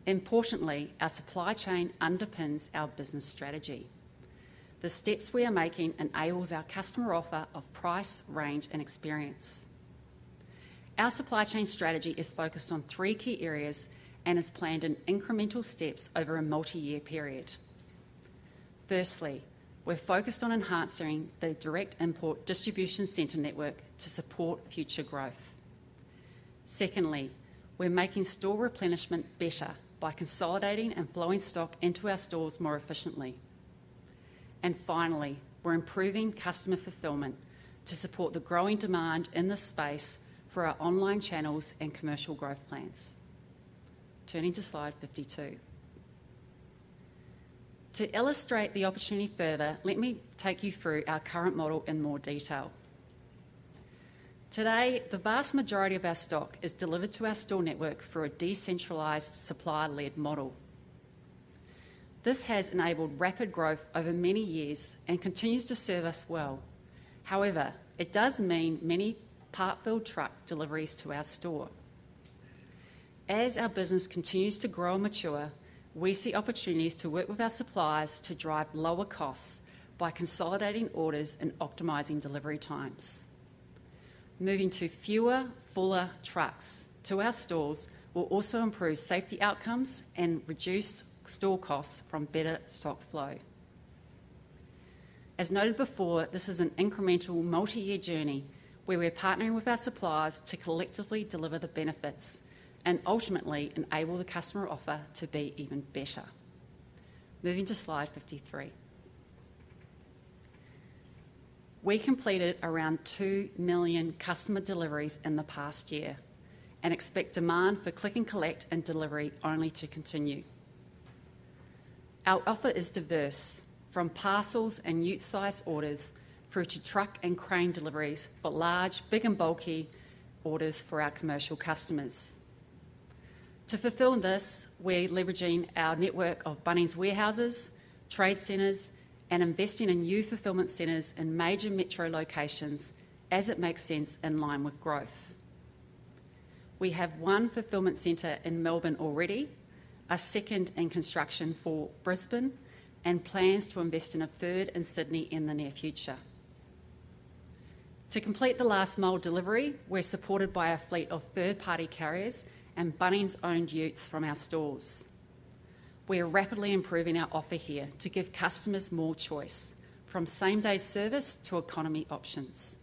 Importantly, our supply chain underpins our business strategy. The steps we are making enable our customer offer of price, range, and experience. Our supply chain strategy is focused on three key areas and is planned in incremental steps over a multi-year period. Firstly, we're focused on enhancing the direct import distribution center network to support future growth. Secondly, we're making store replenishment better by consolidating and flowing stock into our stores more efficiently. Finally, we're improving customer fulfillment to support the growing demand in this space for our online channels and commercial growth plans. Turning to slide 52. To illustrate the opportunity further, let me take you through our current model in more detail. Today, the vast majority of our stock is delivered to our store network for a decentralized supply-led model. This has enabled rapid growth over many years and continues to serve us well. However, it does mean many part-filled truck deliveries to our store. As our business continues to grow and mature, we see opportunities to work with our suppliers to drive lower costs by consolidating orders and optimizing delivery times. Moving to fewer, fuller trucks to our stores will also improve safety outcomes and reduce store costs from better stock flow. As noted before, this is an incremental multi-year journey where we're partnering with our suppliers to collectively deliver the benefits and ultimately enable the customer offer to be even better. Moving to slide 53. We completed around 2 million customer deliveries in the past year and expect demand for click and collect and delivery only to continue. Our offer is diverse from parcels and unit-sized orders through to truck and crane deliveries for large, big and bulky orders for our commercial customers. To fulfill this, we're leveraging our network of Bunnings warehouses, trade centers, and investing in new fulfillment centers in major metro locations as it makes sense in line with growth. We have one fulfillment center in Melbourne already, a second in construction for Brisbane, and plans to invest in a third in Sydney in the near future. To complete the last mile delivery, we're supported by a fleet of third-party carriers and Bunnings-owned utes from our stores. We are rapidly improving our offer here to give customers more choice, from same-day service to economy options.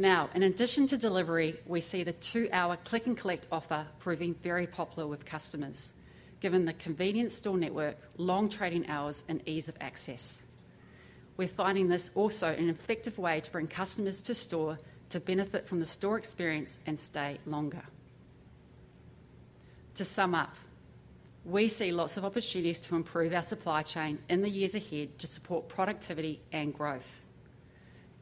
Now, in addition to delivery, we see the two-hour click and collect offer proving very popular with customers, given the convenient store network, long trading hours, and ease of access. We're finding this also an effective way to bring customers to store to benefit from the store experience and stay longer. To sum up, we see lots of opportunities to improve our supply chain in the years ahead to support productivity and growth.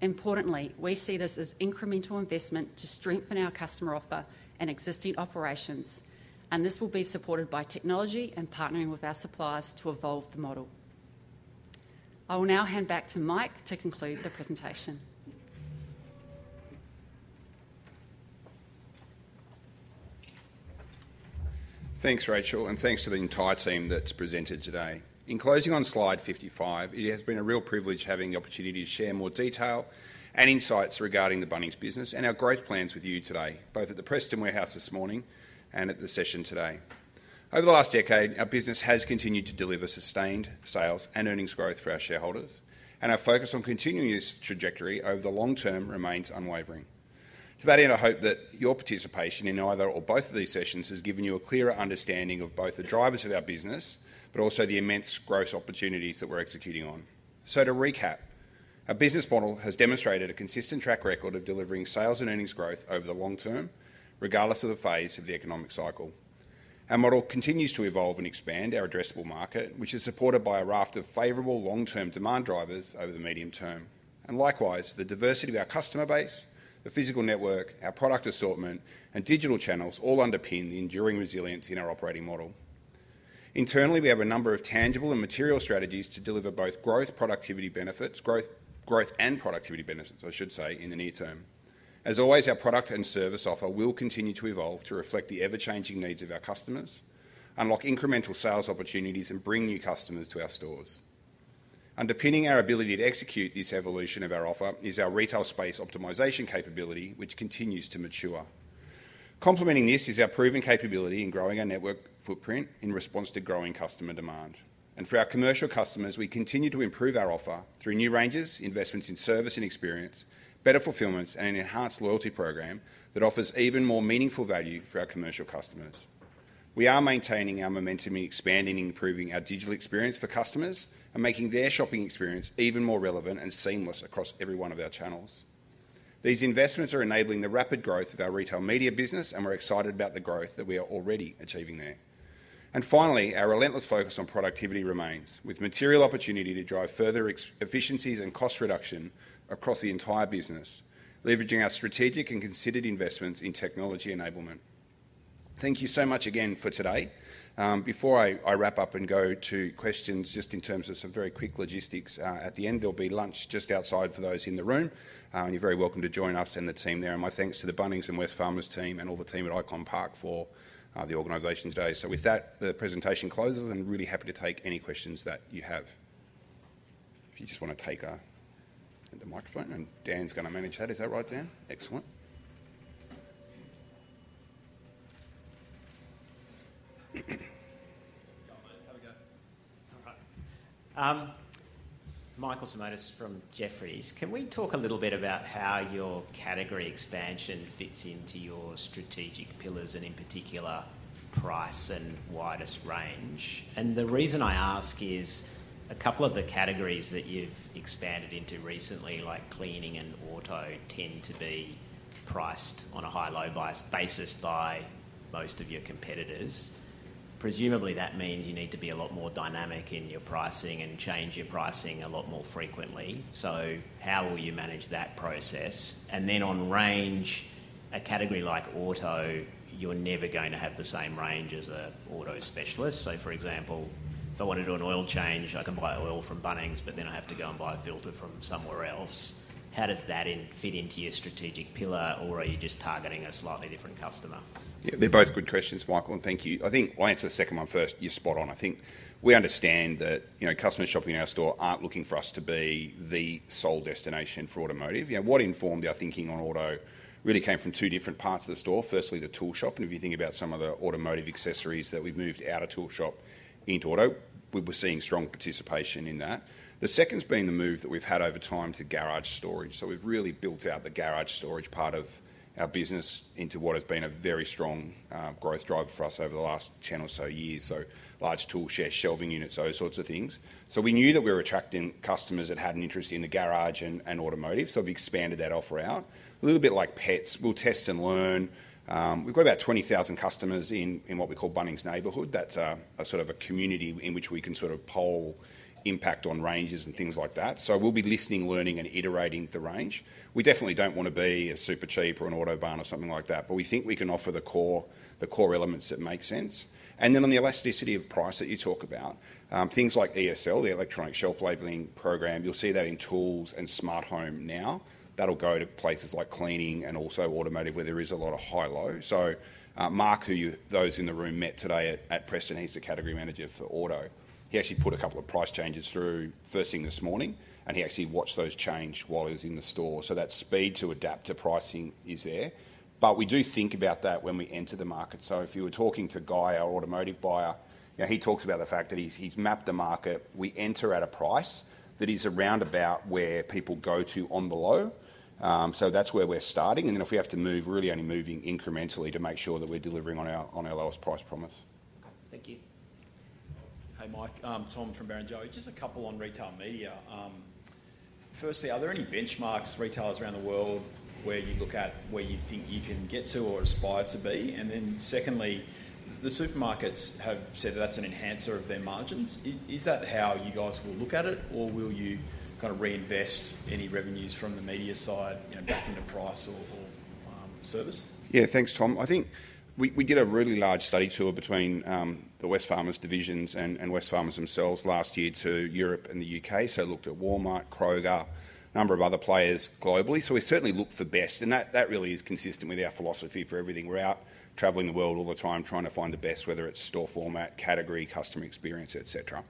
Importantly, we see this as incremental investment to strengthen our customer offer and existing operations, and this will be supported by technology and partnering with our suppliers to evolve the model. I will now hand back to Mike to conclude the presentation. Thanks, Rachael, and thanks to the entire team that's presented today. In closing on slide 55, it has been a real privilege having the opportunity to share more detail and insights regarding the Bunnings business and our growth plans with you today, both at the Preston warehouse this morning and at the session today. Over the last decade, our business has continued to deliver sustained sales and earnings growth for our shareholders, and our focus on continuing this trajectory over the long term remains unwavering. To that end, I hope that your participation in either or both of these sessions has given you a clearer understanding of both the drivers of our business, but also the immense growth opportunities that we're executing on. To recap, our business model has demonstrated a consistent track record of delivering sales and earnings growth over the long term, regardless of the phase of the economic cycle. Our model continues to evolve and expand our addressable market, which is supported by a raft of favorable long-term demand drivers over the medium term. Likewise, the diversity of our customer base, the physical network, our product assortment, and digital channels all underpin the enduring resilience in our operating model. Internally, we have a number of tangible and material strategies to deliver both growth and productivity benefits, growth and productivity benefits, I should say, in the near term. As always, our product and service offer will continue to evolve to reflect the ever-changing needs of our customers, unlock incremental sales opportunities, and bring new customers to our stores. Underpinning our ability to execute this evolution of our offer is our retail space optimization capability, which continues to mature. Complementing this is our proven capability in growing our network footprint in response to growing customer demand. For our commercial customers, we continue to improve our offer through new ranges, investments in service and experience, better fulfillments, and an enhanced loyalty program that offers even more meaningful value for our commercial customers. We are maintaining our momentum in expanding and improving our digital experience for customers and making their shopping experience even more relevant and seamless across every one of our channels. These investments are enabling the rapid growth of our retail media business, and we're excited about the growth that we are already achieving there. Finally, our relentless focus on productivity remains, with material opportunity to drive further efficiencies and cost reduction across the entire business, leveraging our strategic and considered investments in technology enablement. Thank you so much again for today. Before I wrap up and go to questions, just in terms of some very quick logistics, at the end, there will be lunch just outside for those in the room, and you're very welcome to join us and the team there. My thanks to the Bunnings and Wesfarmers team and all the team at Icon Park for the organization today. With that, the presentation closes, and I'm really happy to take any questions that you have. If you just want to take the microphone, and Dan's going to manage that. Is that right, Dan? Excellent. Have a go. Michael Simotas from Jefferies. Can we talk a little bit about how your category expansion fits into your strategic pillars, and in particular, price and widest range? The reason I ask is a couple of the categories that you've expanded into recently, like cleaning and auto, tend to be priced on a high/low basis by most of your competitors. Presumably, that means you need to be a lot more dynamic in your pricing and change your pricing a lot more frequently. How will you manage that process? On range, a category like auto, you're never going to have the same range as an auto specialist. For example, if I want to do an oil change, I can buy oil from Bunnings, but then I have to go and buy a filter from somewhere else. How does that fit into your strategic pillar, or are you just targeting a slightly different customer? Yeah, they're both good questions, Michael, and thank you. I think I'll answer the second one first. You're spot on. I think we understand that customers shopping in our store aren't looking for us to be the sole destination for automotive. What informed our thinking on auto really came from two different parts of the store. Firstly, the tool shop. And if you think about some of the automotive accessories that we've moved out of tool shop into auto, we were seeing strong participation in that. The second's been the move that we've had over time to garage storage. We've really built out the garage storage part of our business into what has been a very strong growth driver for us over the last 10 or so years. Large tool sheds, shelving units, those sorts of things. We knew that we were attracting customers that had an interest in the garage and automotive, so we've expanded that offer out. A little bit like pets, we'll test and learn. We've got about 20,000 customers in what we call Bunnings neighborhood. That's a sort of a community in which we can sort of poll impact on ranges and things like that. We'll be listening, learning, and iterating the range. We definitely don't want to be a super cheap or an auto barn or something like that, but we think we can offer the core elements that make sense. On the elasticity of price that you talk about, things like ESL, the electronic shelf labeling program, you'll see that in tools and smart home now. That'll go to places like cleaning and also automotive where there is a lot of high/low. Mark, who those in the room met today at Preston, he's the category manager for auto. He actually put a couple of price changes through first thing this morning, and he actually watched those change while he was in the store. That speed to adapt to pricing is there. We do think about that when we enter the market. If you were talking to Guy, our automotive buyer, he talks about the fact that he's mapped the market. We enter at a price that is around about where people go to envelope. That's where we're starting. Then if we have to move, we're really only moving incrementally to make sure that we're delivering on our lowest price promise. Okay, thank you. Hey, Mike. Tom from Barrenjoey. Just a couple on retail media. Firstly, are there any benchmarks, retailers around the world, where you look at where you think you can get to or aspire to be? And then secondly, the supermarkets have said that that's an enhancer of their margins. Is that how you guys will look at it, or will you kind of reinvest any revenues from the media side back into price or service? Yeah, thanks, Tom. I think we did a really large study tour between the Wesfarmers divisions and Wesfarmers themselves last year to Europe and the U.K. Looked at Walmart, Kroger, a number of other players globally. We certainly look for best, and that really is consistent with our philosophy for everything. We're out traveling the world all the time trying to find the best, whether it's store format, category, customer experience, etc.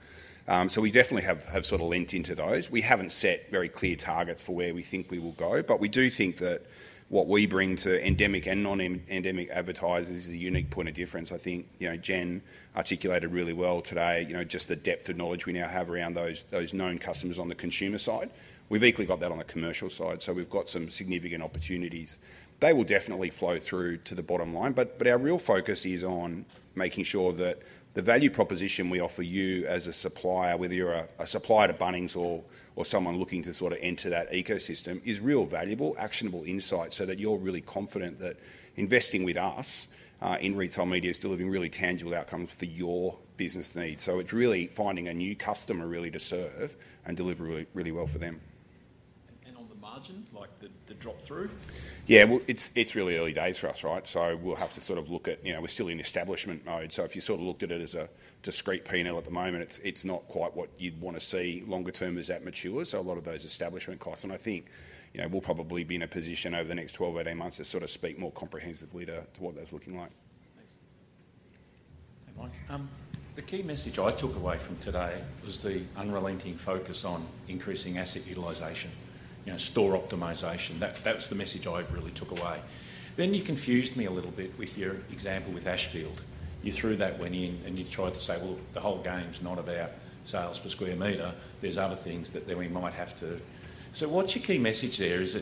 We definitely have sort of leant into those. We haven't set very clear targets for where we think we will go, but we do think that what we bring to endemic and non-endemic advertisers is a unique point of difference. I think Jen articulated really well today just the depth of knowledge we now have around those known customers on the consumer side. We've equally got that on the commercial side, so we've got some significant opportunities. They will definitely flow through to the bottom line, but our real focus is on making sure that the value proposition we offer you as a supplier, whether you're a supplier to Bunnings or someone looking to sort of enter that ecosystem, is real valuable, actionable insights so that you're really confident that investing with us in retail media is delivering really tangible outcomes for your business needs. It's really finding a new customer really to serve and deliver really well for them. On the margin, like the drop-through? Yeah, it's really early days for us, right? We'll have to sort of look at, we're still in establishment mode. If you sort of looked at it as a discreet P&L at the moment, it's not quite what you'd want to see longer term as that matures. A lot of those establishment costs. I think we'll probably be in a position over the next 12-18 months to sort of speak more comprehensively to what that's looking like. Thanks. Hey, Mike. The key message I took away from today was the unrelenting focus on increasing asset utilization, store optimization. That's the message I really took away. You confused me a little bit with your example with Ashfield. You threw that one in, and you tried to say, well, the whole game's not about sales per square meter. There's other things that we might have to. What's your key message there? Is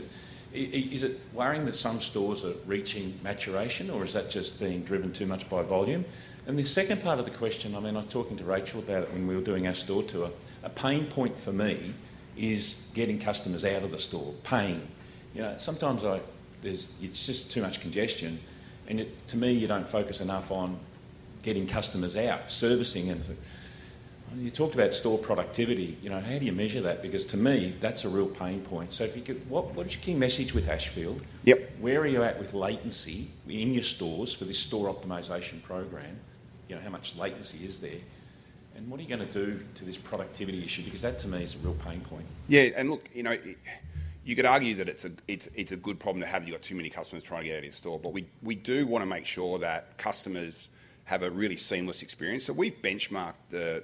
it worrying that some stores are reaching maturation, or is that just being driven too much by volume? The second part of the question, I mean, I was talking to Rachael about it when we were doing our store tour. A pain point for me is getting customers out of the store, pain. Sometimes it's just too much congestion. To me, you don't focus enough on getting customers out, servicing them. You talked about store productivity. How do you measure that? Because to me, that's a real pain point. What's your key message with Ashfield? Yep. Where are you at with latency in your stores for this store optimization program? How much latency is there? What are you going to do to this productivity issue? Because that, to me, is a real pain point. Yeah, look, you could argue that it's a good problem to have you got too many customers trying to get out of your store, but we do want to make sure that customers have a really seamless experience. We've benchmarked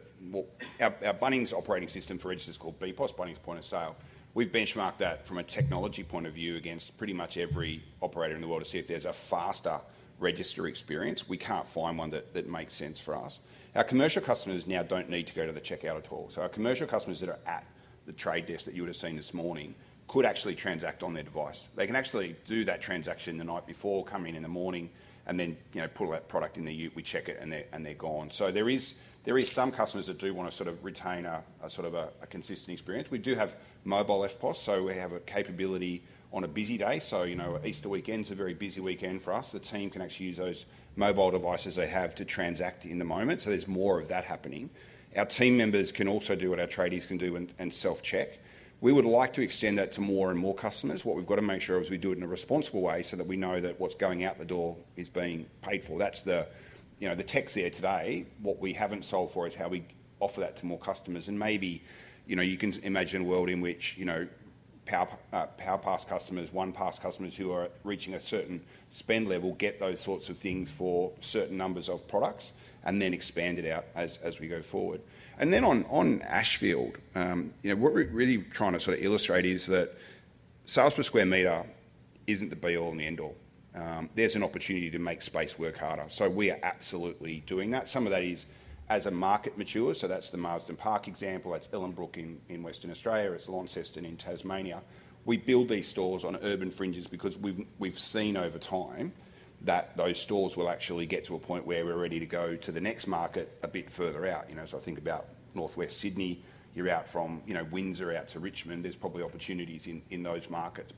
our Bunnings operating system for registers called BPOS, Bunnings Point of Sale. We've benchmarked that from a technology point of view against pretty much every operator in the world to see if there's a faster register experience. We can't find one that makes sense for us. Our commercial customers now don't need to go to the checkout at all. Our commercial customers that are at the trade desk that you would have seen this morning could actually transact on their device. They can actually do that transaction the night before, come in in the morning, and then pull that product in their unit. We check it, and they're gone. There are some customers that do want to sort of retain a sort of a consistent experience. We do have mobile FPOS, so we have a capability on a busy day. Easter weekend's a very busy weekend for us. The team can actually use those mobile devices they have to transact in the moment. There's more of that happening. Our team members can also do what our traders can do and self-check. We would like to extend that to more and more customers. What we've got to make sure is we do it in a responsible way so that we know that what's going out the door is being paid for. That's the text there today. What we haven't solved for is how we offer that to more customers. Maybe you can imagine a world in which PowerPass customers, OnePass customers who are reaching a certain spend level get those sorts of things for certain numbers of products and then expand it out as we go forward. On Ashfield, what we're really trying to sort of illustrate is that sales per square meter isn't the be-all and the end-all. There's an opportunity to make space work harder. We are absolutely doing that. Some of that is as a market matures. That's the Marsden Park example. That's Ellenbrook in Western Australia. It's Launceston in Tasmania. We build these stores on urban fringes because we've seen over time that those stores will actually get to a point where we're ready to go to the next market a bit further out. I think about Northwest Sydney. You're out from Windsor out to Richmond. There's probably opportunities in those markets.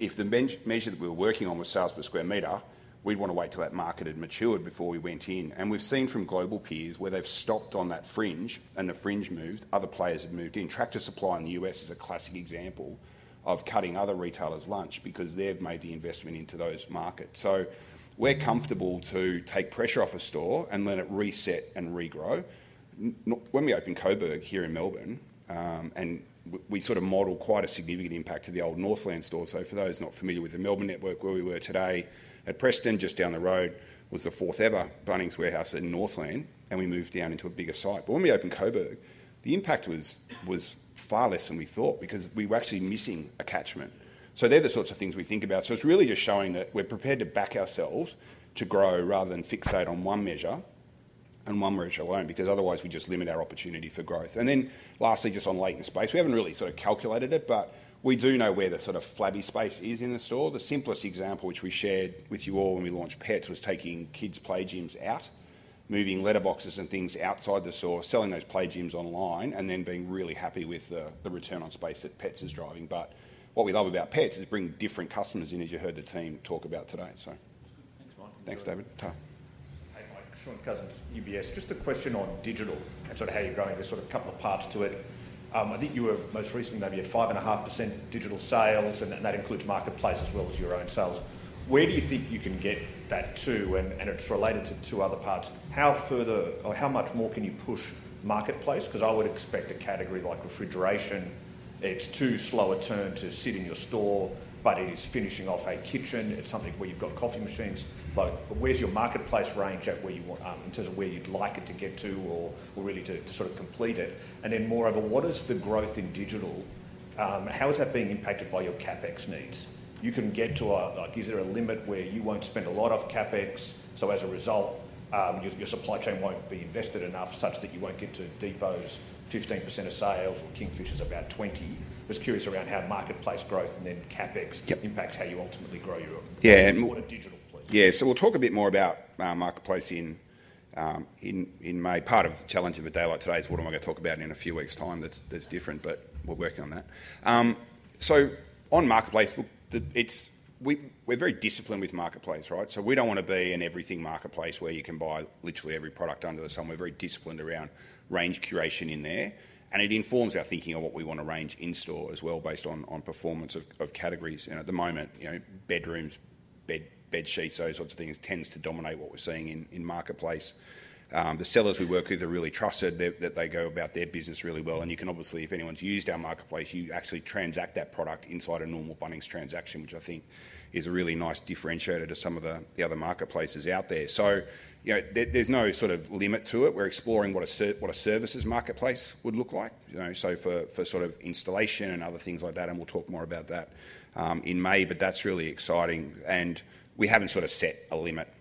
If the measure that we were working on was sales per square meter, we'd want to wait till that market had matured before we went in. We have seen from global peers where they have stopped on that fringe, and the fringe moved, other players have moved in. Tractor Supply in the U.S. is a classic example of cutting other retailers' lunch because they have made the investment into those markets. We are comfortable to take pressure off a store and let it reset and regrow. When we opened Coburg here in Melbourne, and we sort of modeled quite a significant impact to the old Northland store. For those not familiar with the Melbourne network, where we were today at Preston, just down the road, was the fourth-ever Bunnings warehouse in Northland, and we moved down into a bigger site. When we opened Coburg, the impact was far less than we thought because we were actually missing a catchment. They are the sorts of things we think about. It's really just showing that we're prepared to back ourselves to grow rather than fixate on one measure and one measure alone because otherwise we just limit our opportunity for growth. Lastly, just on latency space, we haven't really sort of calculated it, but we do know where the sort of flabby space is in the store. The simplest example, which we shared with you all when we launched Pets, was taking kids' play gyms out, moving letterboxes and things outside the store, selling those play gyms online, and then being really happy with the return on space that Pets is driving. What we love about Pets is bringing different customers in, as you heard the team talk about today. Thanks, Mike. Thanks, David. Hey, Mike. Shaun Cousins, UBS. Just a question on digital and sort of how you're going. There's sort of a couple of parts to it. I think you were most recently maybe at 5.5% digital sales, and that includes marketplace as well as your own sales. Where do you think you can get that to? It is related to two other parts. How much more can you push marketplace? I would expect a category like refrigeration, it's too slow a turn to sit in your store, but it is finishing off a kitchen. It's something where you've got coffee machines. Where's your marketplace range at in terms of where you'd like it to get to or really to sort of complete it? Moreover, what is the growth in digital? How is that being impacted by your CapEx needs? You can get to a, is there a limit where you won't spend a lot of CapEx? As a result, your supply chain won't be invested enough such that you won't get to depots 15% of sales or Kingfishers about 20%. I was curious around how marketplace growth and then CapEx impacts how you ultimately grow your digital place. Yeah, we'll talk a bit more about marketplace in May. Part of the challenge of a day like today is what am I going to talk about in a few weeks' time that's different, but we're working on that. On marketplace, we're very disciplined with marketplace, right? We don't want to be an everything marketplace where you can buy literally every product under the sun. We're very disciplined around range curation in there. It informs our thinking of what we want to range in store as well based on performance of categories. At the moment, bedrooms, bed sheets, those sorts of things tend to dominate what we're seeing in marketplace. The sellers we work with are really trusted, they go about their business really well. You can obviously, if anyone's used our marketplace, you actually transact that product inside a normal Bunnings transaction, which I think is a really nice differentiator to some of the other marketplaces out there. There is no sort of limit to it. We're exploring what a services marketplace would look like, for sort of installation and other things like that. We'll talk more about that in May, but that's really exciting. We haven't sort of set a limit.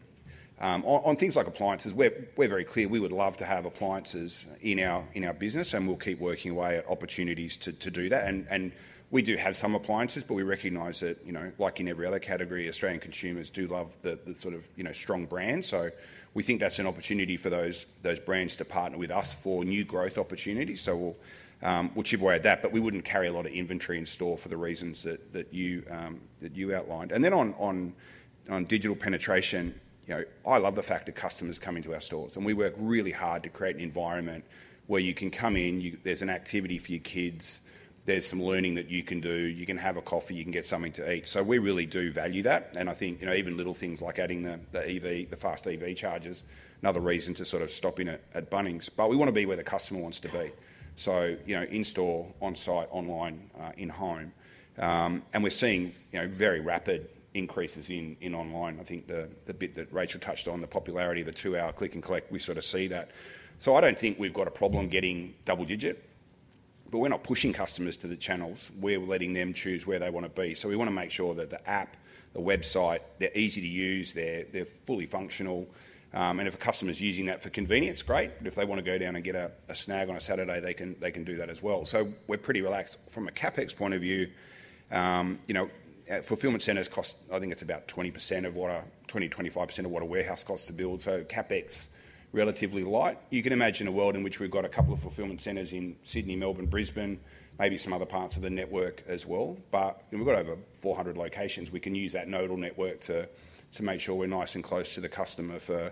On things like appliances, we're very clear. We would love to have appliances in our business, and we'll keep working away at opportunities to do that. We do have some appliances, but we recognize that, like in every other category, Australian consumers do love the sort of strong brands. We think that's an opportunity for those brands to partner with us for new growth opportunities. We'll chip away at that, but we wouldn't carry a lot of inventory in store for the reasons that you outlined. On digital penetration, I love the fact that customers come into our stores. We work really hard to create an environment where you can come in, there's an activity for your kids, there's some learning that you can do, you can have a coffee, you can get something to eat. We really do value that. I think even little things like adding the fast EV charges, another reason to sort of stop in at Bunnings. We want to be where the customer wants to be. In store, on site, online, in home. We're seeing very rapid increases in online. I think the bit that Rachael touched on, the popularity of the two-hour click and collect, we sort of see that. I don't think we've got a problem getting double-digit, but we're not pushing customers to the channels. We're letting them choose where they want to be. We want to make sure that the app, the website, they're easy to use, they're fully functional. If a customer's using that for convenience, great. If they want to go down and get a snag on a Saturday, they can do that as well. We're pretty relaxed. From a CapEx point of view, fulfillment centers cost, I think it's about 20% or 25% of what a warehouse costs to build. CapEx is relatively light. You can imagine a world in which we've got a couple of fulfillment centers in Sydney, Melbourne, Brisbane, maybe some other parts of the network as well. We've got over 400 locations. We can use that nodal network to make sure we're nice and close to the customer for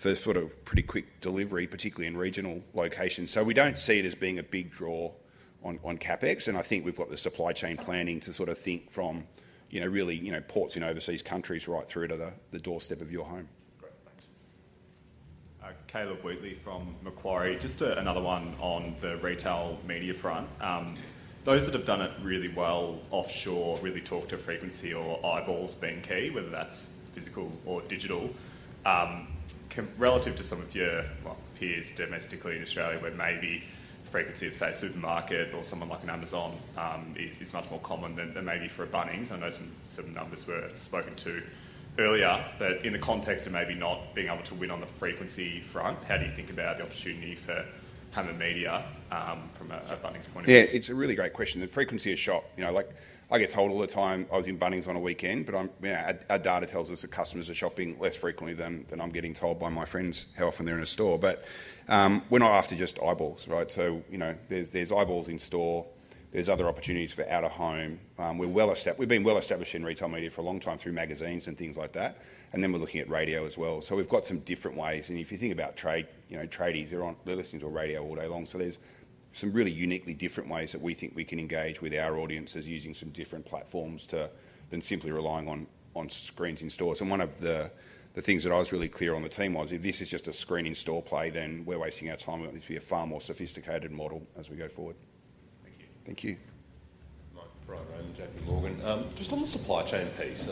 pretty quick delivery, particularly in regional locations. We do not see it as being a big draw on CapEx. I think we've got the supply chain planning to think from really ports in overseas countries right through to the doorstep of your home. Great. Thanks. Caleb Wheatley from Macquarie. Just another one on the retail media front. Those that have done it really well offshore really talk to frequency or eyeballs being key, whether that's physical or digital. Relative to some of your peers domestically in Australia where maybe frequency of, say, a supermarket or someone like an Amazon is much more common than maybe for a Bunnings. I know some numbers were spoken to earlier. In the context of maybe not being able to win on the frequency front, how do you think about the opportunity for Hammer Media from a Bunnings point of view? Yeah, it's a really great question. The frequency is shot. I get told all the time I was in Bunnings on a weekend, but our data tells us that customers are shopping less frequently than I'm getting told by my friends how often they're in a store. We're not after just eyeballs, right? There's eyeballs in store. are other opportunities for out of home. We've been well established in retail media for a long time through magazines and things like that. We are looking at radio as well. We've got some different ways. If you think about trade, traders, they're listening to radio all day long. There are some really uniquely different ways that we think we can engage with our audiences using some different platforms than simply relying on screens in stores. One of the things that I was really clear on with the team was if this is just a screen in store play, then we're wasting our time. We want this to be a far more sophisticated model as we go forward. Thank you. Thank you. Bryan Raymond, JPMorgan. Just on the supply chain piece,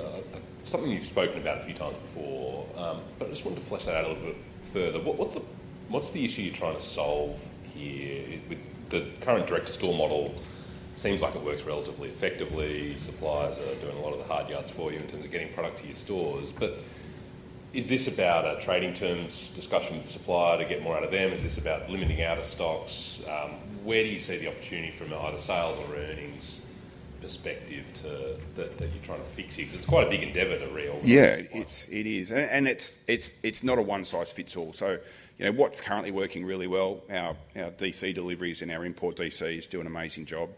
something you've spoken about a few times before, but I just wanted to flesh that out a little bit further. What's the issue you're trying to solve here with the current direct-to-store model? Seems like it works relatively effectively. Suppliers are doing a lot of the hard yards for you in terms of getting product to your stores. Is this about a trading terms discussion with supplier to get more out of them? Is this about limiting outer stocks? Where do you see the opportunity from either sales or earnings perspective that you're trying to fix here? Because it's quite a big endeavor, to really. Yeah, it is. It's not a one-size-fits-all. What's currently working really well? Our DC deliveries and our import DCs do an amazing job.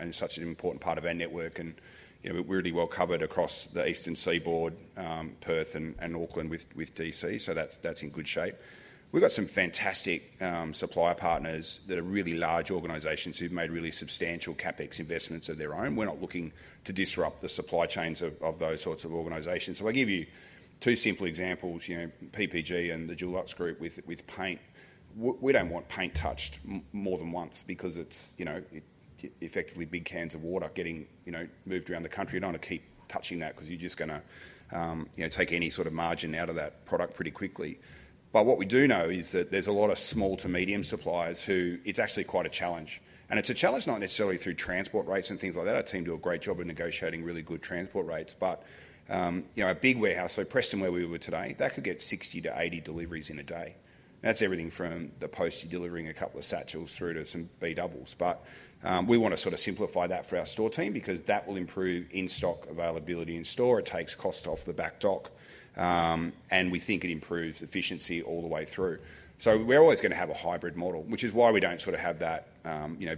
It's such an important part of our network. We are really well covered across the Eastern Seaboard, Perth, and Auckland with DC. That is in good shape. We have some fantastic supplier partners that are really large organizations who have made really substantial CapEx investments of their own. We are not looking to disrupt the supply chains of those sorts of organizations. I give you two simple examples, PPG and the Jewel Luxe Group with paint. We do not want paint touched more than once because it is effectively big cans of water getting moved around the country. You do not want to keep touching that because you are just going to take any sort of margin out of that product pretty quickly. What we do know is that there are a lot of small to medium suppliers who it is actually quite a challenge. It is a challenge not necessarily through transport rates and things like that. Our team do a great job of negotiating really good transport rates. A big warehouse, so Preston, where we were today, that could get 60-80 deliveries in a day. That's everything from the post you're delivering a couple of satchels through to some B doubles. We want to sort of simplify that for our store team because that will improve in-stock availability in store. It takes cost off the back dock. We think it improves efficiency all the way through. We're always going to have a hybrid model, which is why we don't sort of have that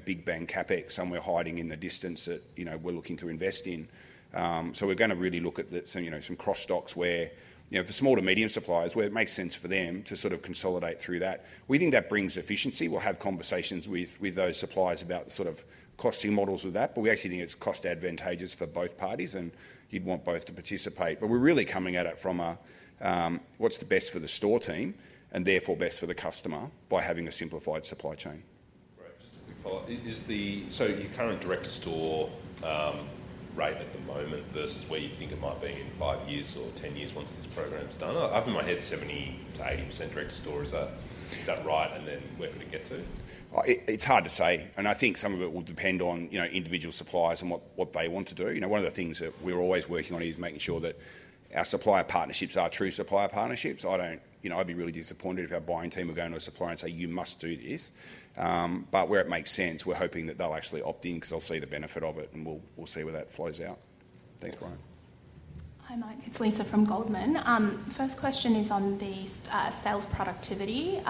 big bang CapEx somewhere hiding in the distance that we're looking to invest in. We're going to really look at some cross stocks where for small to medium suppliers, where it makes sense for them to sort of consolidate through that. We think that brings efficiency. We'll have conversations with those suppliers about the sort of costing models with that. We actually think it's cost advantageous for both parties, and you'd want both to participate. We're really coming at it from a what's the best for the store team and therefore best for the customer by having a simplified supply chain. Great. Just a quick follow-up. Your current direct-to-store rate at the moment versus where you think it might be in five years or ten years once this program's done? I have in my head 70%-80% direct-to-store. Is that right? Where could it get to? It's hard to say. I think some of it will depend on individual suppliers and what they want to do. One of the things that we're always working on is making sure that our supplier partnerships are true supplier partnerships. I'd be really disappointed if our buying team were going to a supplier and say, "You must do this." Where it makes sense, we're hoping that they'll actually opt in because they'll see the benefit of it, and we'll see where that flows out. Thanks, Bryan. Hi, Mike. It's Lisa from Goldman. First question is on the sales productivity.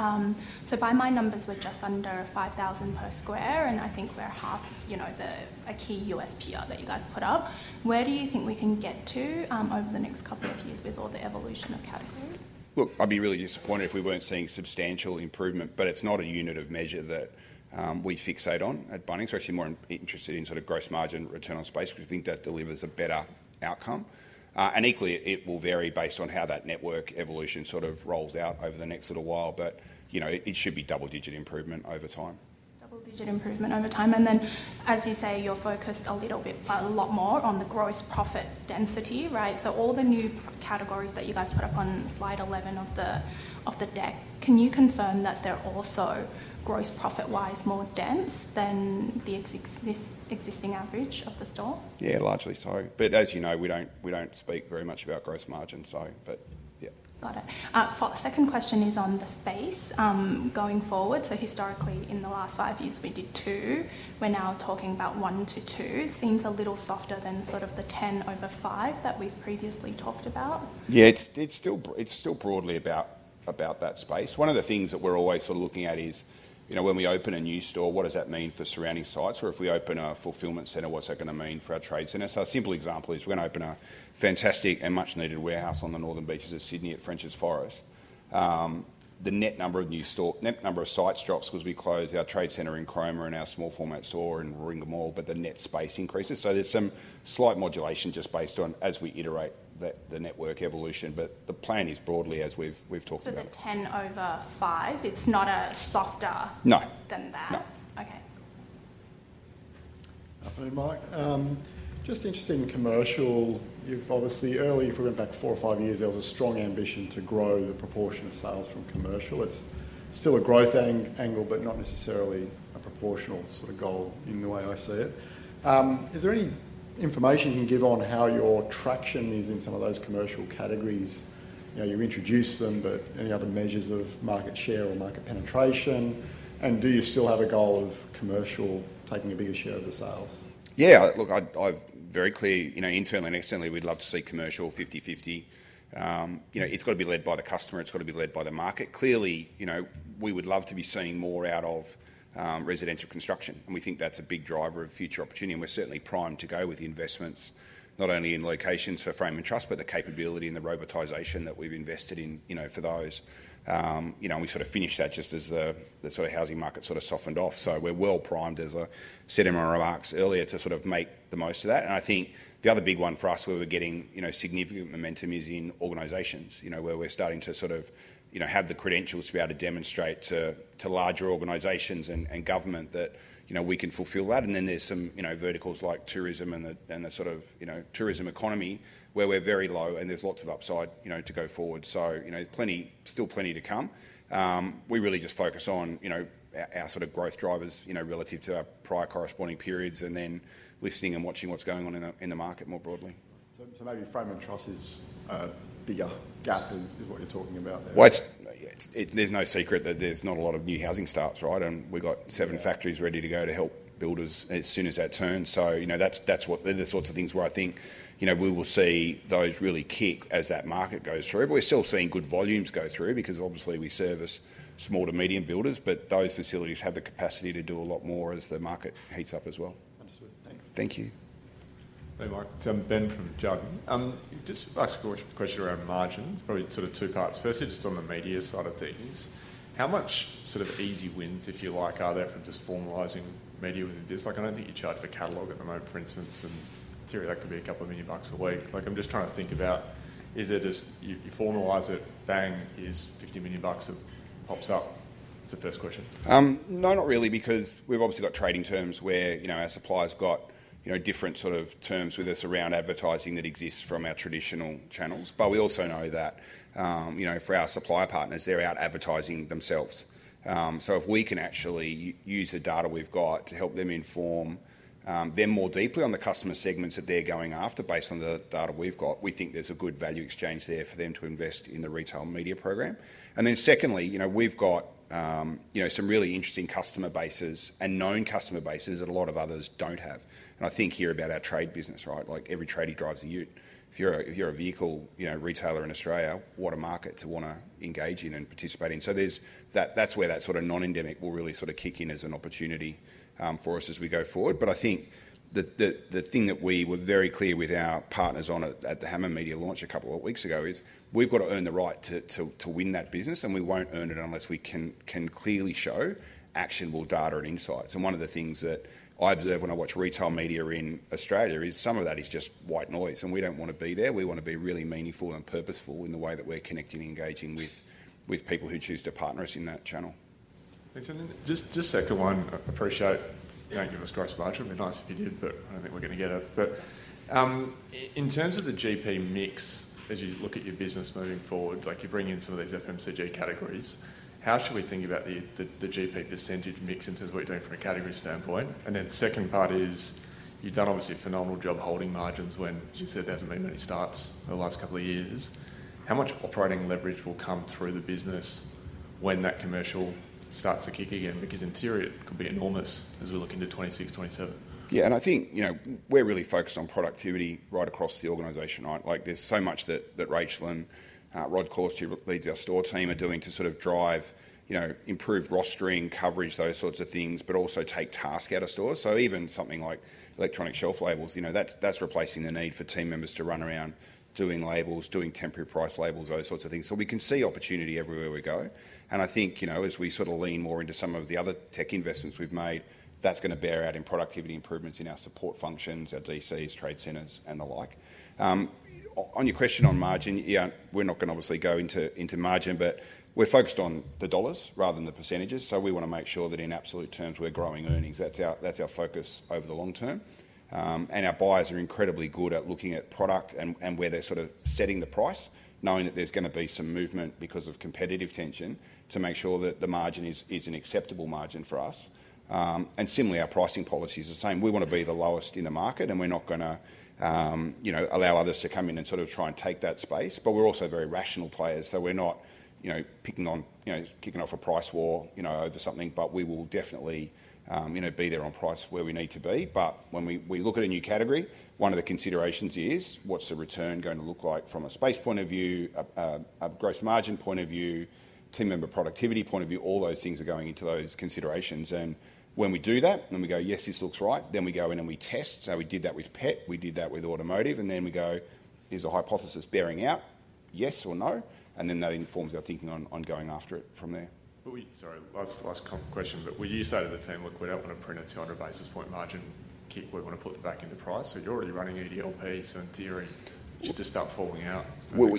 By my numbers, we're just under 5,000 per square, and I think we're half a key USP that you guys put up. Where do you think we can get to over the next couple of years with all the evolution of categories? I'd be really disappointed if we weren't seeing substantial improvement, but it's not a unit of measure that we fixate on at Bunnings. We're actually more interested in sort of gross margin return on space because we think that delivers a better outcome. Equally, it will vary based on how that network evolution sort of rolls out over the next little while. It should be double-digit improvement over time. Double-digit improvement over time. As you say, you're focused a little bit a lot more on the gross profit density, right? All the new categories that you guys put up on slide 11 of the deck, can you confirm that they're also gross profit-wise more dense than the existing average of the store? Yeah, largely so. As you know, we don't speak very much about gross margin, so. Yeah. Got it. Second question is on the space going forward. Historically, in the last five years, we did two. We're now talking about one to two. Seems a little softer than sort of the 10 over 5 that we've previously talked about. Yeah, it's still broadly about that space. One of the things that we're always sort of looking at is when we open a new store, what does that mean for surrounding sites? Or if we open a fulfillment center, what's that going to mean for our trade centers? A simple example is we're going to open a fantastic and much-needed warehouse on the northern beaches of Sydney at Frenchs Forest. The net number of new store, net number of sites drops because we close our trade center in Cromer and our small format store in Warringah Mall, but the net space increases. There's some slight modulation just based on as we iterate the network evolution. The plan is broadly as we've talked about. The 10 over 5, it's not a softer than that? No. No. Okay. Good afternoon, Mike. Just interested in commercial. You've obviously early, if we went back four or five years, there was a strong ambition to grow the proportion of sales from commercial. It's still a growth angle, but not necessarily a proportional sort of goal in the way I see it. Is there any information you can give on how your traction is in some of those commercial categories? You introduce them, but any other measures of market share or market penetration? Do you still have a goal of commercial taking a bigger share of the sales? Yeah. Look, I'm very clear internally and externally, we'd love to see commercial 50/50. It's got to be led by the customer. It's got to be led by the market. Clearly, we would love to be seeing more out of residential construction. We think that's a big driver of future opportunity. We're certainly primed to go with investments, not only in locations for Frame & Truss, but the capability and the robotisation that we've invested in for those. We sort of finished that just as the housing market softened off. We're well primed, as I said in my remarks earlier, to make the most of that. I think the other big one for us where we're getting significant momentum is in organizations, where we're starting to have the credentials to be able to demonstrate to larger organizations and government that we can fulfill that. There are some verticals like tourism and the tourism economy where we're very low, and there's lots of upside to go forward. Still plenty to come. We really just focus on our sort of growth drivers relative to our prior corresponding periods and then listening and watching what's going on in the market more broadly. Maybe Frame & Truss is a bigger gap than what you're talking about there. There's no secret that there's not a lot of new housing starts, right? We've got seven factories ready to go to help builders as soon as that turns. That's the sorts of things where I think we will see those really kick as that market goes through. We're still seeing good volumes go through because obviously we service small to medium builders, but those facilities have the capacity to do a lot more as the market heats up as well. Understood. Thanks. Thank you. Hey, Mike. Ben from Jarden. Just ask a question around margins. Probably sort of two parts. Firstly, just on the media side of things, how much sort of easy wins, if you like, are there from just formalizing media within business? I don't think you charge for catalogue at the moment, for instance, and in theory, that could be a couple of million bucks a week. I'm just trying to think about, is it just you formalize it, bang, is 50 million bucks that pops up? That's the first question. No, not really, because we've obviously got trading terms where our suppliers got different sort of terms with us around advertising that exists from our traditional channels. We also know that for our supplier partners, they're out advertising themselves. If we can actually use the data we've got to help them inform them more deeply on the customer segments that they're going after based on the data we've got, we think there's a good value exchange there for them to invest in the retail media program. Then secondly, we've got some really interesting customer bases and known customer bases that a lot of others don't have. I think here about our trade business, right? Every trader drives a ute. If you're a vehicle retailer in Australia, what a market to want to engage in and participate in. That's where that sort of non-endemic will really sort of kick in as an opportunity for us as we go forward. I think the thing that we were very clear with our partners on at the Hammer Media launch a couple of weeks ago is we've got to earn the right to win that business, and we won't earn it unless we can clearly show actionable data and insights. One of the things that I observe when I watch retail media in Australia is some of that is just white noise, and we don't want to be there. We want to be really meaningful and purposeful in the way that we're connecting and engaging with people who choose to partner us in that channel. Thanks. Just a second one. Appreciate you don't give us gross margin. It'd be nice if you did, but I don't think we're going to get it. In terms of the GP mix, as you look at your business moving forward, like you're bringing in some of these FMCG categories, how should we think about the GP percentage mix in terms of what you're doing from a category standpoint? The second part is you've done obviously a phenomenal job holding margins when you said there hasn't been many starts in the last couple of years. How much operating leverage will come through the business when that commercial starts to kick again? Because in theory, it could be enormous as we look into 2026, 2027. Yeah. I think we're really focused on productivity right across the organization, right? There's so much that Rachael and [Rod Cawster] leads our store team are doing to sort of drive improved rostering, coverage, those sorts of things, but also take task out of stores. Even something like electronic shelf labels, that's replacing the need for team members to run around doing labels, doing temporary price labels, those sorts of things. We can see opportunity everywhere we go. I think as we sort of lean more into some of the other tech investments we've made, that's going to bear out in productivity improvements in our support functions, our DCs, trade centers, and the like. On your question on margin, yeah, we're not going to obviously go into margin, but we're focused on the dollars rather than the percentages. We want to make sure that in absolute terms, we're growing earnings. That's our focus over the long term. Our buyers are incredibly good at looking at product and where they're sort of setting the price, knowing that there's going to be some movement because of competitive tension to make sure that the margin is an acceptable margin for us. Similarly, our pricing policy is the same. We want to be the lowest in the market, and we're not going to allow others to come in and sort of try and take that space. We are also very rational players. We are not kicking off a price war over something, but we will definitely be there on price where we need to be. When we look at a new category, one of the considerations is, what's the return going to look like from a space point of view, a gross margin point of view, team member productivity point of view? All those things are going into those considerations. When we do that, we go, yes, this looks right. We go in and we test. We did that with pet. We did that with automotive. We go, is the hypothesis bearing out? Yes or no? That informs our thinking on going after it from there. Sorry, last question. You say to the team, look, we do not want to print a 200 basis point margin. We want to put the back into price. You are already running EDLP. In theory, it should just start falling out. We are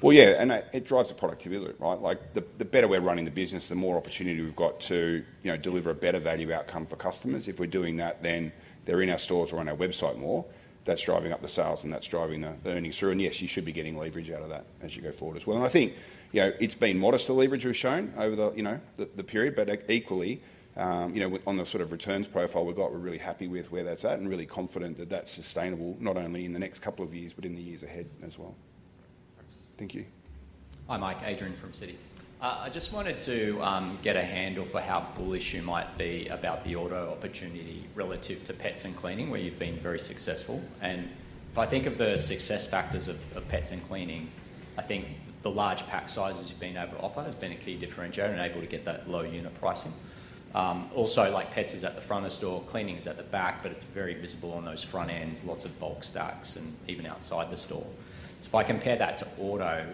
just going to lose, right? Yeah. It drives the productivity, right? The better we are running the business, the more opportunity we have to deliver a better value outcome for customers. If we're doing that, then they're in our stores or on our website more. That's driving up the sales, and that's driving the earnings through. Yes, you should be getting leverage out of that as you go forward as well. I think it's been modest, the leverage we've shown over the period. Equally, on the sort of returns profile we've got, we're really happy with where that's at and really confident that that's sustainable not only in the next couple of years, but in the years ahead as well. Thank you. Hi, Mike. Adrian from Citi. I just wanted to get a handle for how bullish you might be about the auto opportunity relative to pets and cleaning, where you've been very successful. If I think of the success factors of pets and cleaning, I think the large pack sizes you've been able to offer has been a key differentiator and able to get that low unit pricing. Also, pets is at the front of the store, cleaning is at the back, but it's very visible on those front ends, lots of bulk stacks, and even outside the store. If I compare that to auto,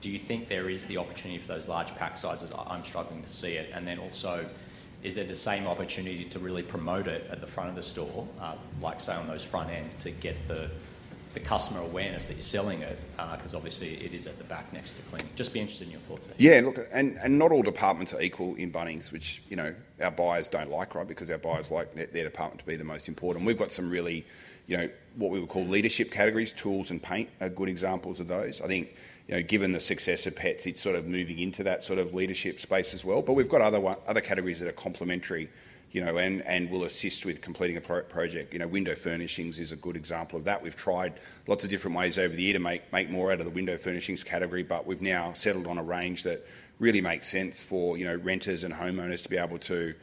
do you think there is the opportunity for those large pack sizes? I'm struggling to see it. Also, is there the same opportunity to really promote it at the front of the store, like say on those front ends to get the customer awareness that you're selling it? Because obviously, it is at the back next to cleaning. Just be interested in your thoughts there. Yeah. Look, and not all departments are equal in Bunnings, which our buyers do not like, right? Because our buyers like their department to be the most important. We have got some really what we would call leadership categories. Tools and paint are good examples of those. I think given the success of pets, it is sort of moving into that sort of leadership space as well. We have got other categories that are complementary and will assist with completing a project. Window furnishings is a good example of that. We have tried lots of different ways over the year to make more out of the window furnishings category, but we have now settled on a range that really makes sense for renters and homeowners to be able to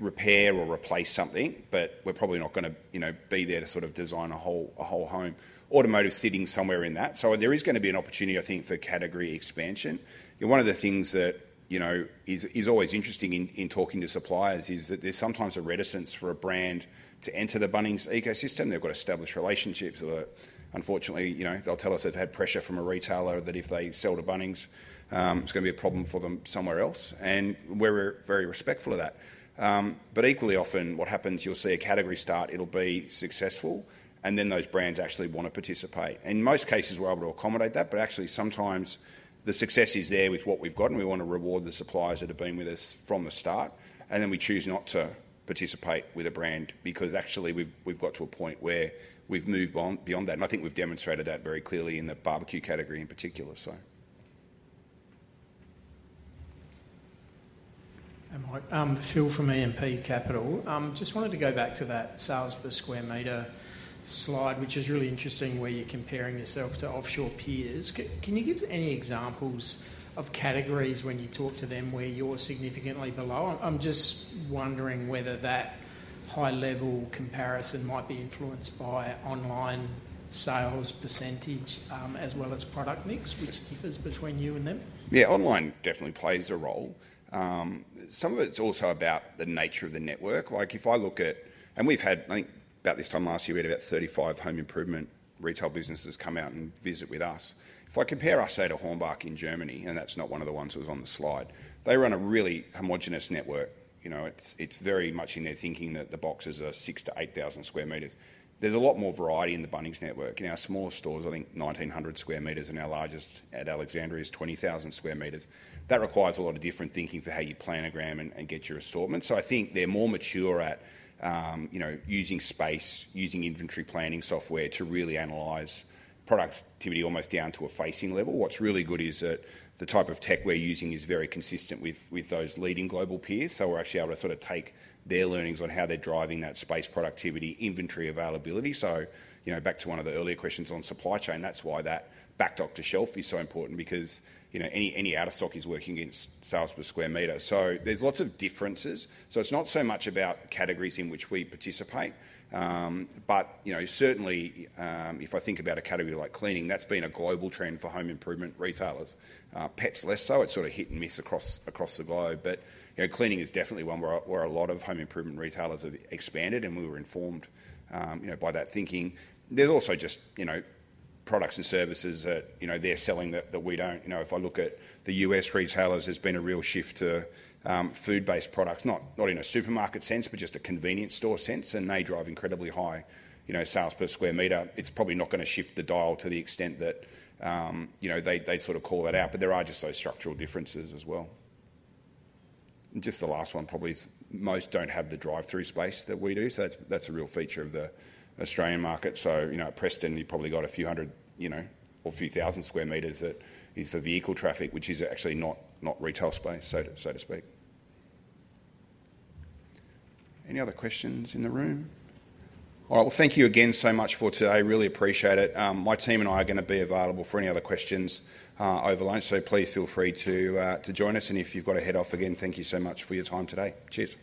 repair or replace something. We are probably not going to be there to sort of design a whole home. Automotive sitting somewhere in that. There is going to be an opportunity, I think, for category expansion. One of the things that is always interesting in talking to suppliers is that there's sometimes a reticence for a brand to enter the Bunnings ecosystem. They've got to establish relationships. Unfortunately, they'll tell us they've had pressure from a retailer that if they sell to Bunnings, it's going to be a problem for them somewhere else. We're very respectful of that. Equally often, what happens, you'll see a category start, it'll be successful, and then those brands actually want to participate. In most cases, we're able to accommodate that, but actually sometimes the success is there with what we've gotten. We want to reward the suppliers that have been with us from the start, and then we choose not to participate with a brand because actually we've got to a point where we've moved beyond that. I think we've demonstrated that very clearly in the barbecue category in particular. Hey, Mike. Phil from A&P Capital. Just wanted to go back to that sales per square meter slide, which is really interesting where you're comparing yourself to offshore peers. Can you give any examples of categories when you talk to them where you're significantly below? I'm just wondering whether that high-level comparison might be influenced by online sales percentage as well as product mix, which differs between you and them. Yeah. Online definitely plays a role. Some of it's also about the nature of the network. Like if I look at, and we've had, I think about this time last year, we had about 35 home improvement retail businesses come out and visit with us. If I compare us, say, to Hornbach in Germany, and that's not one of the ones that was on the slide, they run a really homogenous network. It's very much in their thinking that the boxes are 6,000 sq m-8,000 sq m. There's a lot more variety in the Bunnings network. In our smaller stores, I think 1,900 sq m, and our largest at Alexandria is 20,000 sq m. That requires a lot of different thinking for how you plan a gram and get your assortment. I think they're more mature at using space, using inventory planning software to really analyse productivity almost down to a facing level. What's really good is that the type of tech we're using is very consistent with those leading global peers. We're actually able to sort of take their learnings on how they're driving that space productivity, inventory availability. Back to one of the earlier questions on supply chain, that's why that backdock to shelf is so important because any out of stock is working against sales per square meter. There are lots of differences. It's not so much about categories in which we participate. Certainly, if I think about a category like cleaning, that's been a global trend for home improvement retailers. Pets less so. It's sort of hit and miss across the globe. Cleaning is definitely one where a lot of home improvement retailers have expanded, and we were informed by that thinking. There's also just products and services that they're selling that we don't. If I look at the U.S. retailers, there's been a real shift to food-based products, not in a supermarket sense, but just a convenience store sense. They drive incredibly high sales per square metre. It's probably not going to shift the dial to the extent that they sort of call that out, but there are just those structural differences as well. The last one probably is most do not have the drive-through space that we do. That is a real feature of the Australian market. Preston, you've probably got a few hundred or a few thousand square metres that is for vehicle traffic, which is actually not retail space, so to speak. Any other questions in the room? All right. Thank you again so much for today. Really appreciate it. My team and I are going to be available for any other questions over lunch, so please feel free to join us. If you've got to head off again, thank you so much for your time today. Cheers.